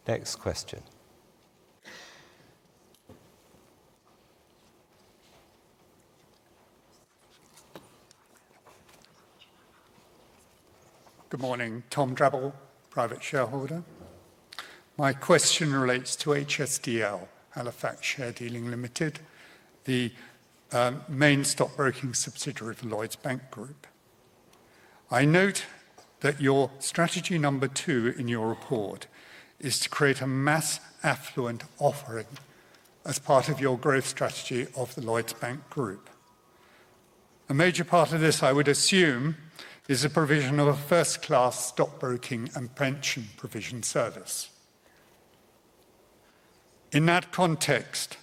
Next question. Good morning. Tom [Drebel], private shareholder. My question relates to HSDL, Halifax Share Dealing Limited, the main stock-broking subsidiary of the Lloyds Banking Group. I note that your strategy number two in your report is to create a mass affluent offering as part of your growth strategy of the Lloyds Banking Group. A major part of this, I would assume, is the provision of a first-class stock-broking and pension provision service. In that context,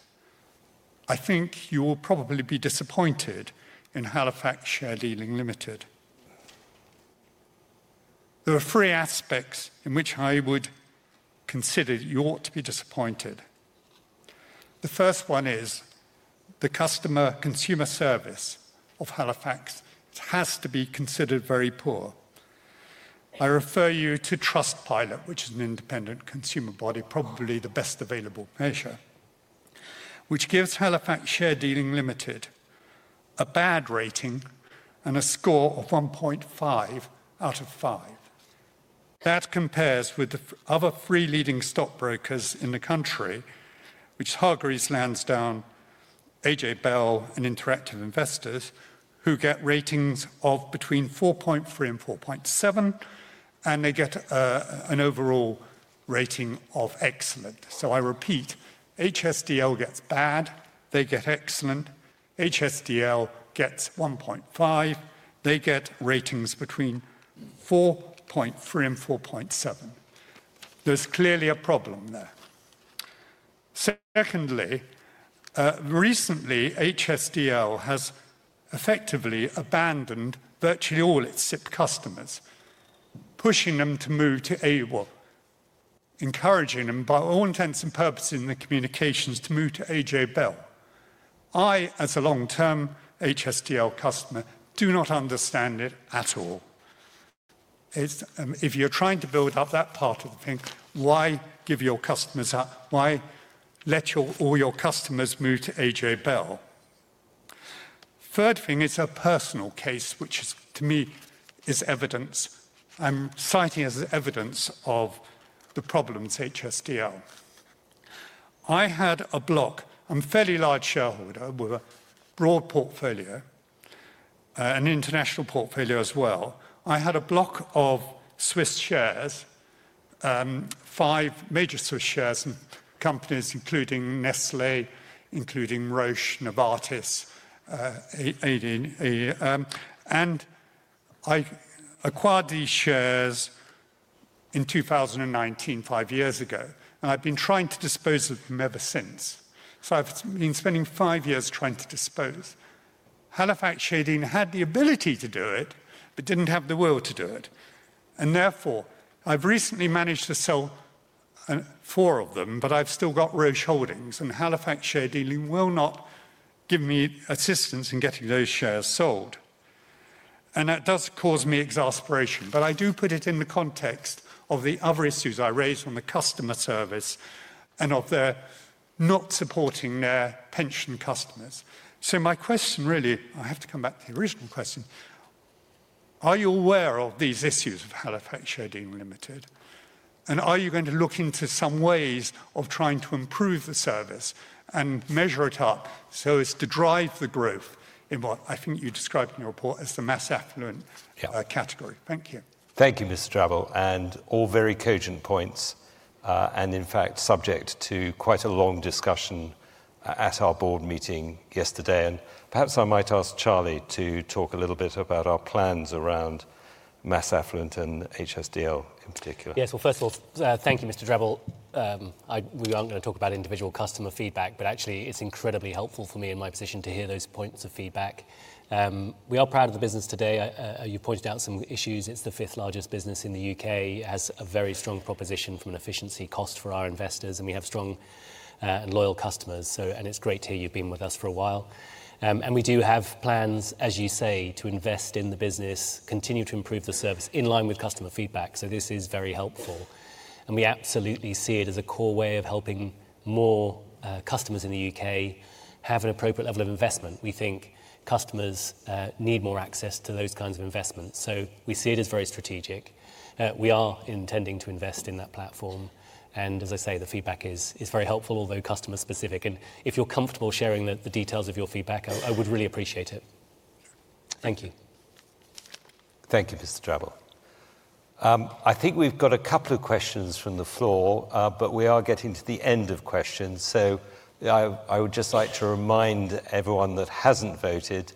I think you will probably be disappointed in Halifax Share Dealing Limited. There are three aspects in which I would consider you ought to be disappointed. The first one is the customer consumer service of Halifax has to be considered very poor. I refer you to Trustpilot, which is an independent consumer body, probably the best available measure, which gives Halifax Share Dealing Limited a bad rating and a score of 1.5 out of 5. That compares with the other three leading stockbrokers in the country, which are Hargreaves Lansdown, AJ Bell, and interactive investor, who get ratings of between 4.3 and 4.7, and they get an overall rating of excellent. I repeat, HSDL gets bad, they get excellent. HSDL gets 1.5, they get ratings between 4.3 and 4.7. There's clearly a problem there. Secondly, recently, HSDL has effectively abandoned virtually all its SIPP customers, pushing them to move to AWOL, encouraging them, by all intents and purposes in the communications, to move to AJ Bell. I, as a long-term HSDL customer, do not understand it at all. If you're trying to build up that part of the thing, why give your customers up? Why let all your customers move to AJ Bell? Third thing is a personal case, which to me is evidence. I'm citing as evidence of the problems HSDL. I had a block. I'm a fairly large shareholder with a broad portfolio, an international portfolio as well. I had a block of Swiss shares, five major Swiss shares and companies, including Nestlé, including Roche, Novartis. I acquired these shares in 2019, five years ago, and I've been trying to dispose of them ever since. I've been spending five years trying to dispose. Halifax Share Dealing had the ability to do it, but didn't have the will to do it. I have recently managed to sell four of them, but I've still got Roche Holdings, and Halifax Share Dealing will not give me assistance in getting those shares sold. That does cause me exasperation, but I do put it in the context of the other issues I raised on the customer service and of their not supporting their pension customers. My question really, I have to come back to the original question. Are you aware of these issues of Halifax Share Dealing Limited? Are you going to look into some ways of trying to improve the service and measure it up so as to drive the growth in what I think you described in your report as the mass affluent category? Thank you. Thank you, Mr. [Drebel]. All very cogent points and, in fact, subject to quite a long discussion at our board meeting yesterday. Perhaps I might ask Charlie to talk a little bit about our plans around mass affluent and HSDL in particular. Yes. First of all, thank you, Mr. Drebel. We are not going to talk about individual customer feedback, but actually, it is incredibly helpful for me in my position to hear those points of feedback. We are proud of the business today. You pointed out some issues. It is the fifth largest business in the U.K. It has a very strong proposition from an efficiency cost for our investors, and we have strong and loyal customers. It is great to hear you have been with us for a while. We do have plans, as you say, to invest in the business, continue to improve the service in line with customer feedback. This is very helpful. We absolutely see it as a core way of helping more customers in the U.K. have an appropriate level of investment. We think customers need more access to those kinds of investments. We see it as very strategic. We are intending to invest in that platform. As I say, the feedback is very helpful, although customer-specific. If you're comfortable sharing the details of your feedback, I would really appreciate it. Thank you. Thank you, Mr. [Drebel]. I think we've got a couple of questions from the floor, but we are getting to the end of questions. I would just like to remind everyone that hasn't voted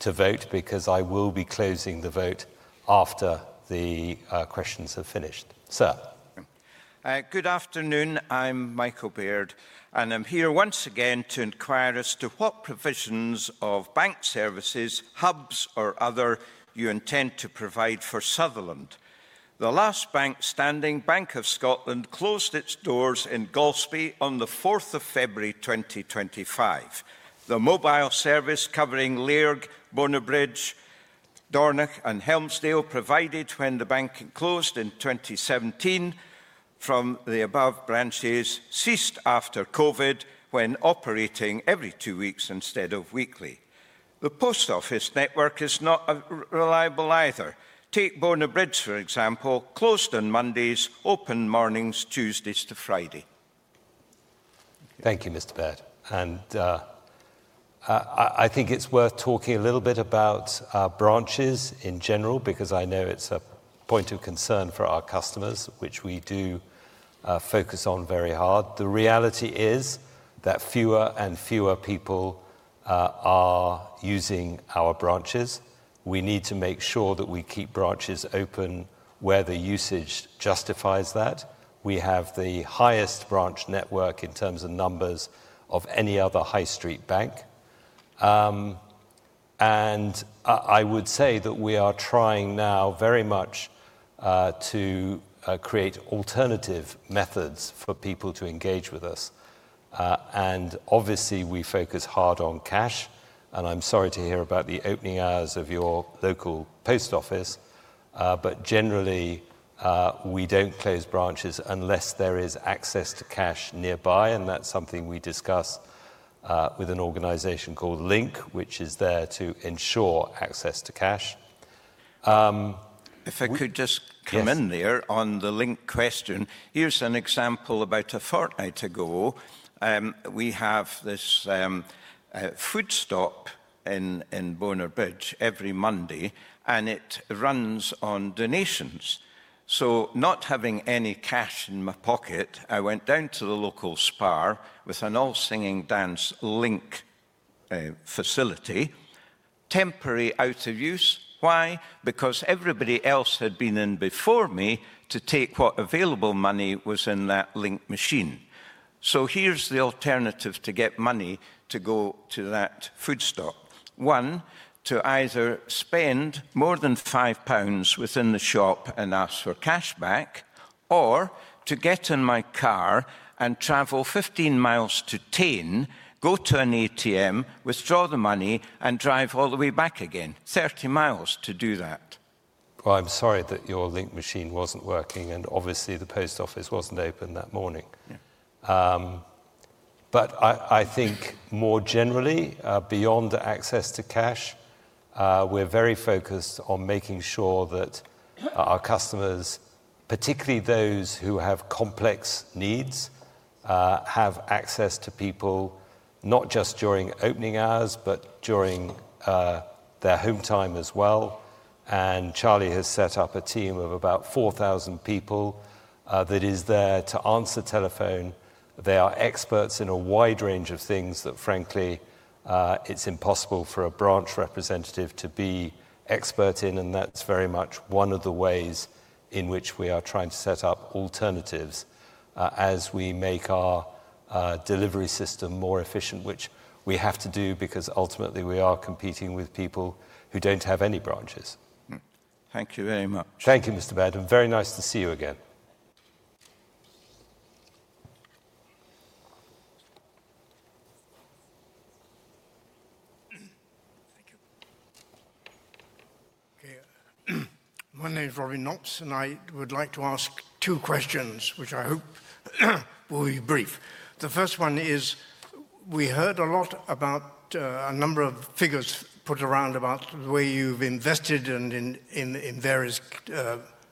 to vote because I will be closing the vote after the questions have finished. Sir. Good afternoon. I'm Michael Baird, and I'm here once again to inquire as to what provisions of bank services, hubs, or other you intend to provide for Sutherland. The last bank standing, Bank of Scotland, closed its doors in Golspie on the 4th of February, 2025. The mobile service covering Lairg, Bonnybridge, Dornoch, and Helmsdale provided when the bank closed in 2017 from the above branches ceased after COVID when operating every two weeks instead of weekly. The post office network is not reliable either. Take Bonnybridge, for example, closed on Mondays, opened mornings Tuesdays to Friday. Thank you, Mr. Baird. I think it's worth talking a little bit about branches in general because I know it's a point of concern for our customers, which we do focus on very hard. The reality is that fewer and fewer people are using our branches. We need to make sure that we keep branches open where the usage justifies that. We have the highest branch network in terms of numbers of any other high street bank. I would say that we are trying now very much to create alternative methods for people to engage with us. Obviously, we focus hard on cash. I'm sorry to hear about the opening hours of your local post office, but generally, we don't close branches unless there is access to cash nearby. That is something we discuss with an organization called Link, which is there to ensure access to cash. If I could just come in there on the Link question. Here's an example about a fortnight ago. We have this food stop in Bonnybridge every Monday, and it runs on donations. So not having any cash in my pocket, I went down to the local SPAR with an all-singing dance Link facility, temporarily out of use. Why? Because everybody else had been in before me to take what available money was in that Link machine. Here's the alternative to get money to go to that food stop. One, to either spend more than 5 pounds within the shop and ask for cash back, or to get in my car and travel 15 mi to Tyn, go to an ATM, withdraw the money, and drive all the way back again, 30 mi to do that. I am sorry that your Link machine was not working, and obviously, the post office was not open that morning. More generally, beyond access to cash, we are very focused on making sure that our customers, particularly those who have complex needs, have access to people not just during opening hours, but during their home time as well. Charlie has set up a team of about 4,000 people that is there to answer telephone. They are experts in a wide range of things that, frankly, it is impossible for a branch representative to be expert in. That is very much one of the ways in which we are trying to set up alternatives as we make our delivery system more efficient, which we have to do because ultimately, we are competing with people who do not have any branches. Thank you very much. Thank you, Mr. Baird. Very nice to see you again. Okay. My name is Robin Knox, and I would like to ask two questions, which I hope will be brief. The first one is we heard a lot about a number of figures put around about the way you've invested and in various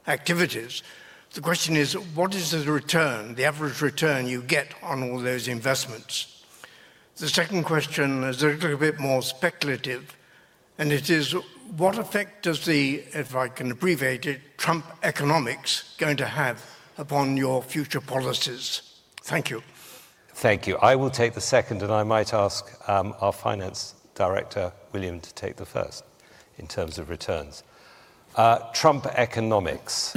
activities. The question is, what is the return, the average return you get on all those investments? The second question is a little bit more speculative, and it is, what effect does the, if I can abbreviate it, Trump economics going to have upon your future policies? Thank you. Thank you. I will take the second, and I might ask our finance director, William, to take the first in terms of returns. Trump economics,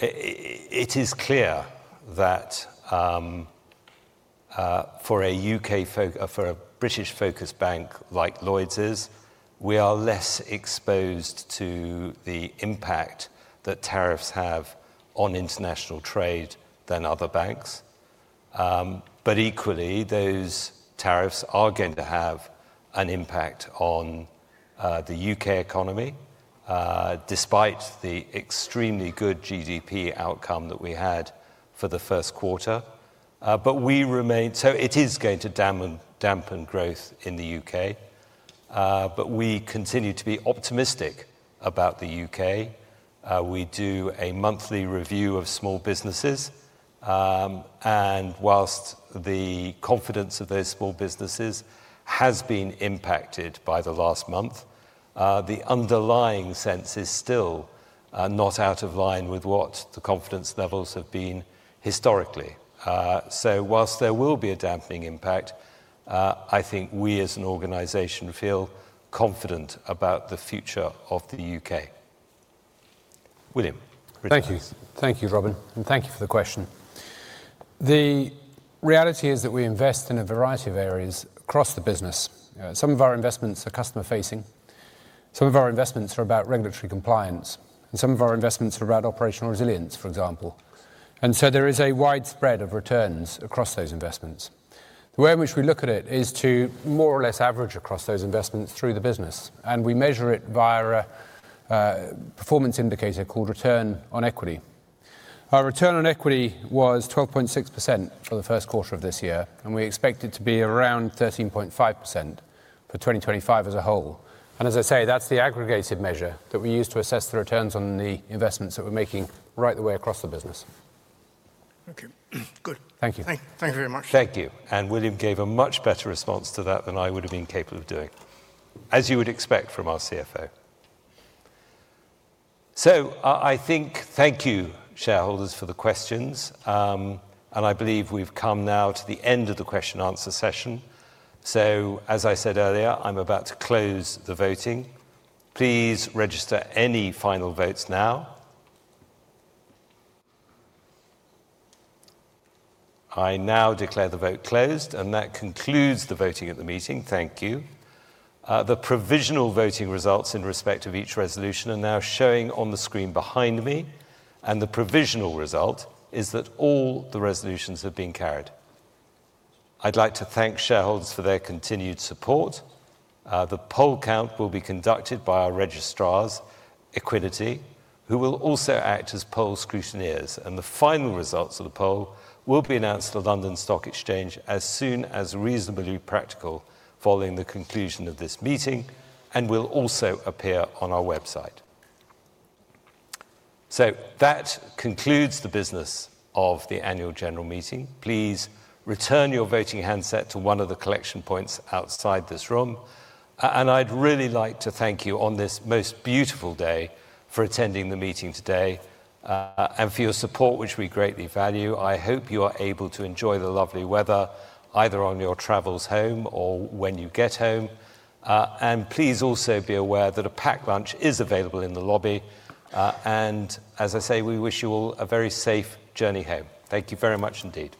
it is clear that for a U.K., for a British-focused bank like Lloyds is, we are less exposed to the impact that tariffs have on international trade than other banks. Equally, those tariffs are going to have an impact on the U.K. economy despite the extremely good GDP outcome that we had for the first quarter. We remain, so it is going to dampen growth in the U.K. We continue to be optimistic about the U.K. We do a monthly review of small businesses. Whilst the confidence of those small businesses has been impacted by the last month, the underlying sense is still not out of line with what the confidence levels have been historically. Whilst there will be a dampening impact, I think we as an organization feel confident about the future of the U.K. William. Thank you. Thank you, Robin. Thank you for the question. The reality is that we invest in a variety of areas across the business. Some of our investments are customer-facing. Some of our investments are about regulatory compliance. Some of our investments are about operational resilience, for example. There is a widespread of returns across those investments. The way in which we look at it is to more or less average across those investments through the business. We measure it via a performance indicator called return on equity. Our return on equity was 12.6% for the first quarter of this year, and we expect it to be around 13.5% for 2025 as a whole. As I say, that is the aggregated measure that we use to assess the returns on the investments that we are making right the way across the business. Okay. Good. Thank you. Thank you very much. Thank you. William gave a much better response to that than I would have been capable of doing, as you would expect from our CFO. I think, thank you, shareholders, for the questions. I believe we have come now to the end of the question-answer session. As I said earlier, I am about to close the voting. Please register any final votes now. I now declare the vote closed, and that concludes the voting at the meeting. Thank you. The provisional voting results in respect of each resolution are now showing on the screen behind me. The provisional result is that all the resolutions have been carried. I would like to thank shareholders for their continued support. The poll count will be conducted by our registrars, Equinit, who will also act as poll scrutineers. The final results of the poll will be announced at London Stock Exchange as soon as reasonably practical following the conclusion of this meeting and will also appear on our website. That concludes the business of the annual general meeting. Please return your voting handset to one of the collection points outside this room. I would really like to thank you on this most beautiful day for attending the meeting today and for your support, which we greatly value. I hope you are able to enjoy the lovely weather either on your travels home or when you get home. Please also be aware that a packed lunch is available in the lobby. As I say, we wish you all a very safe journey home. Thank you very much indeed.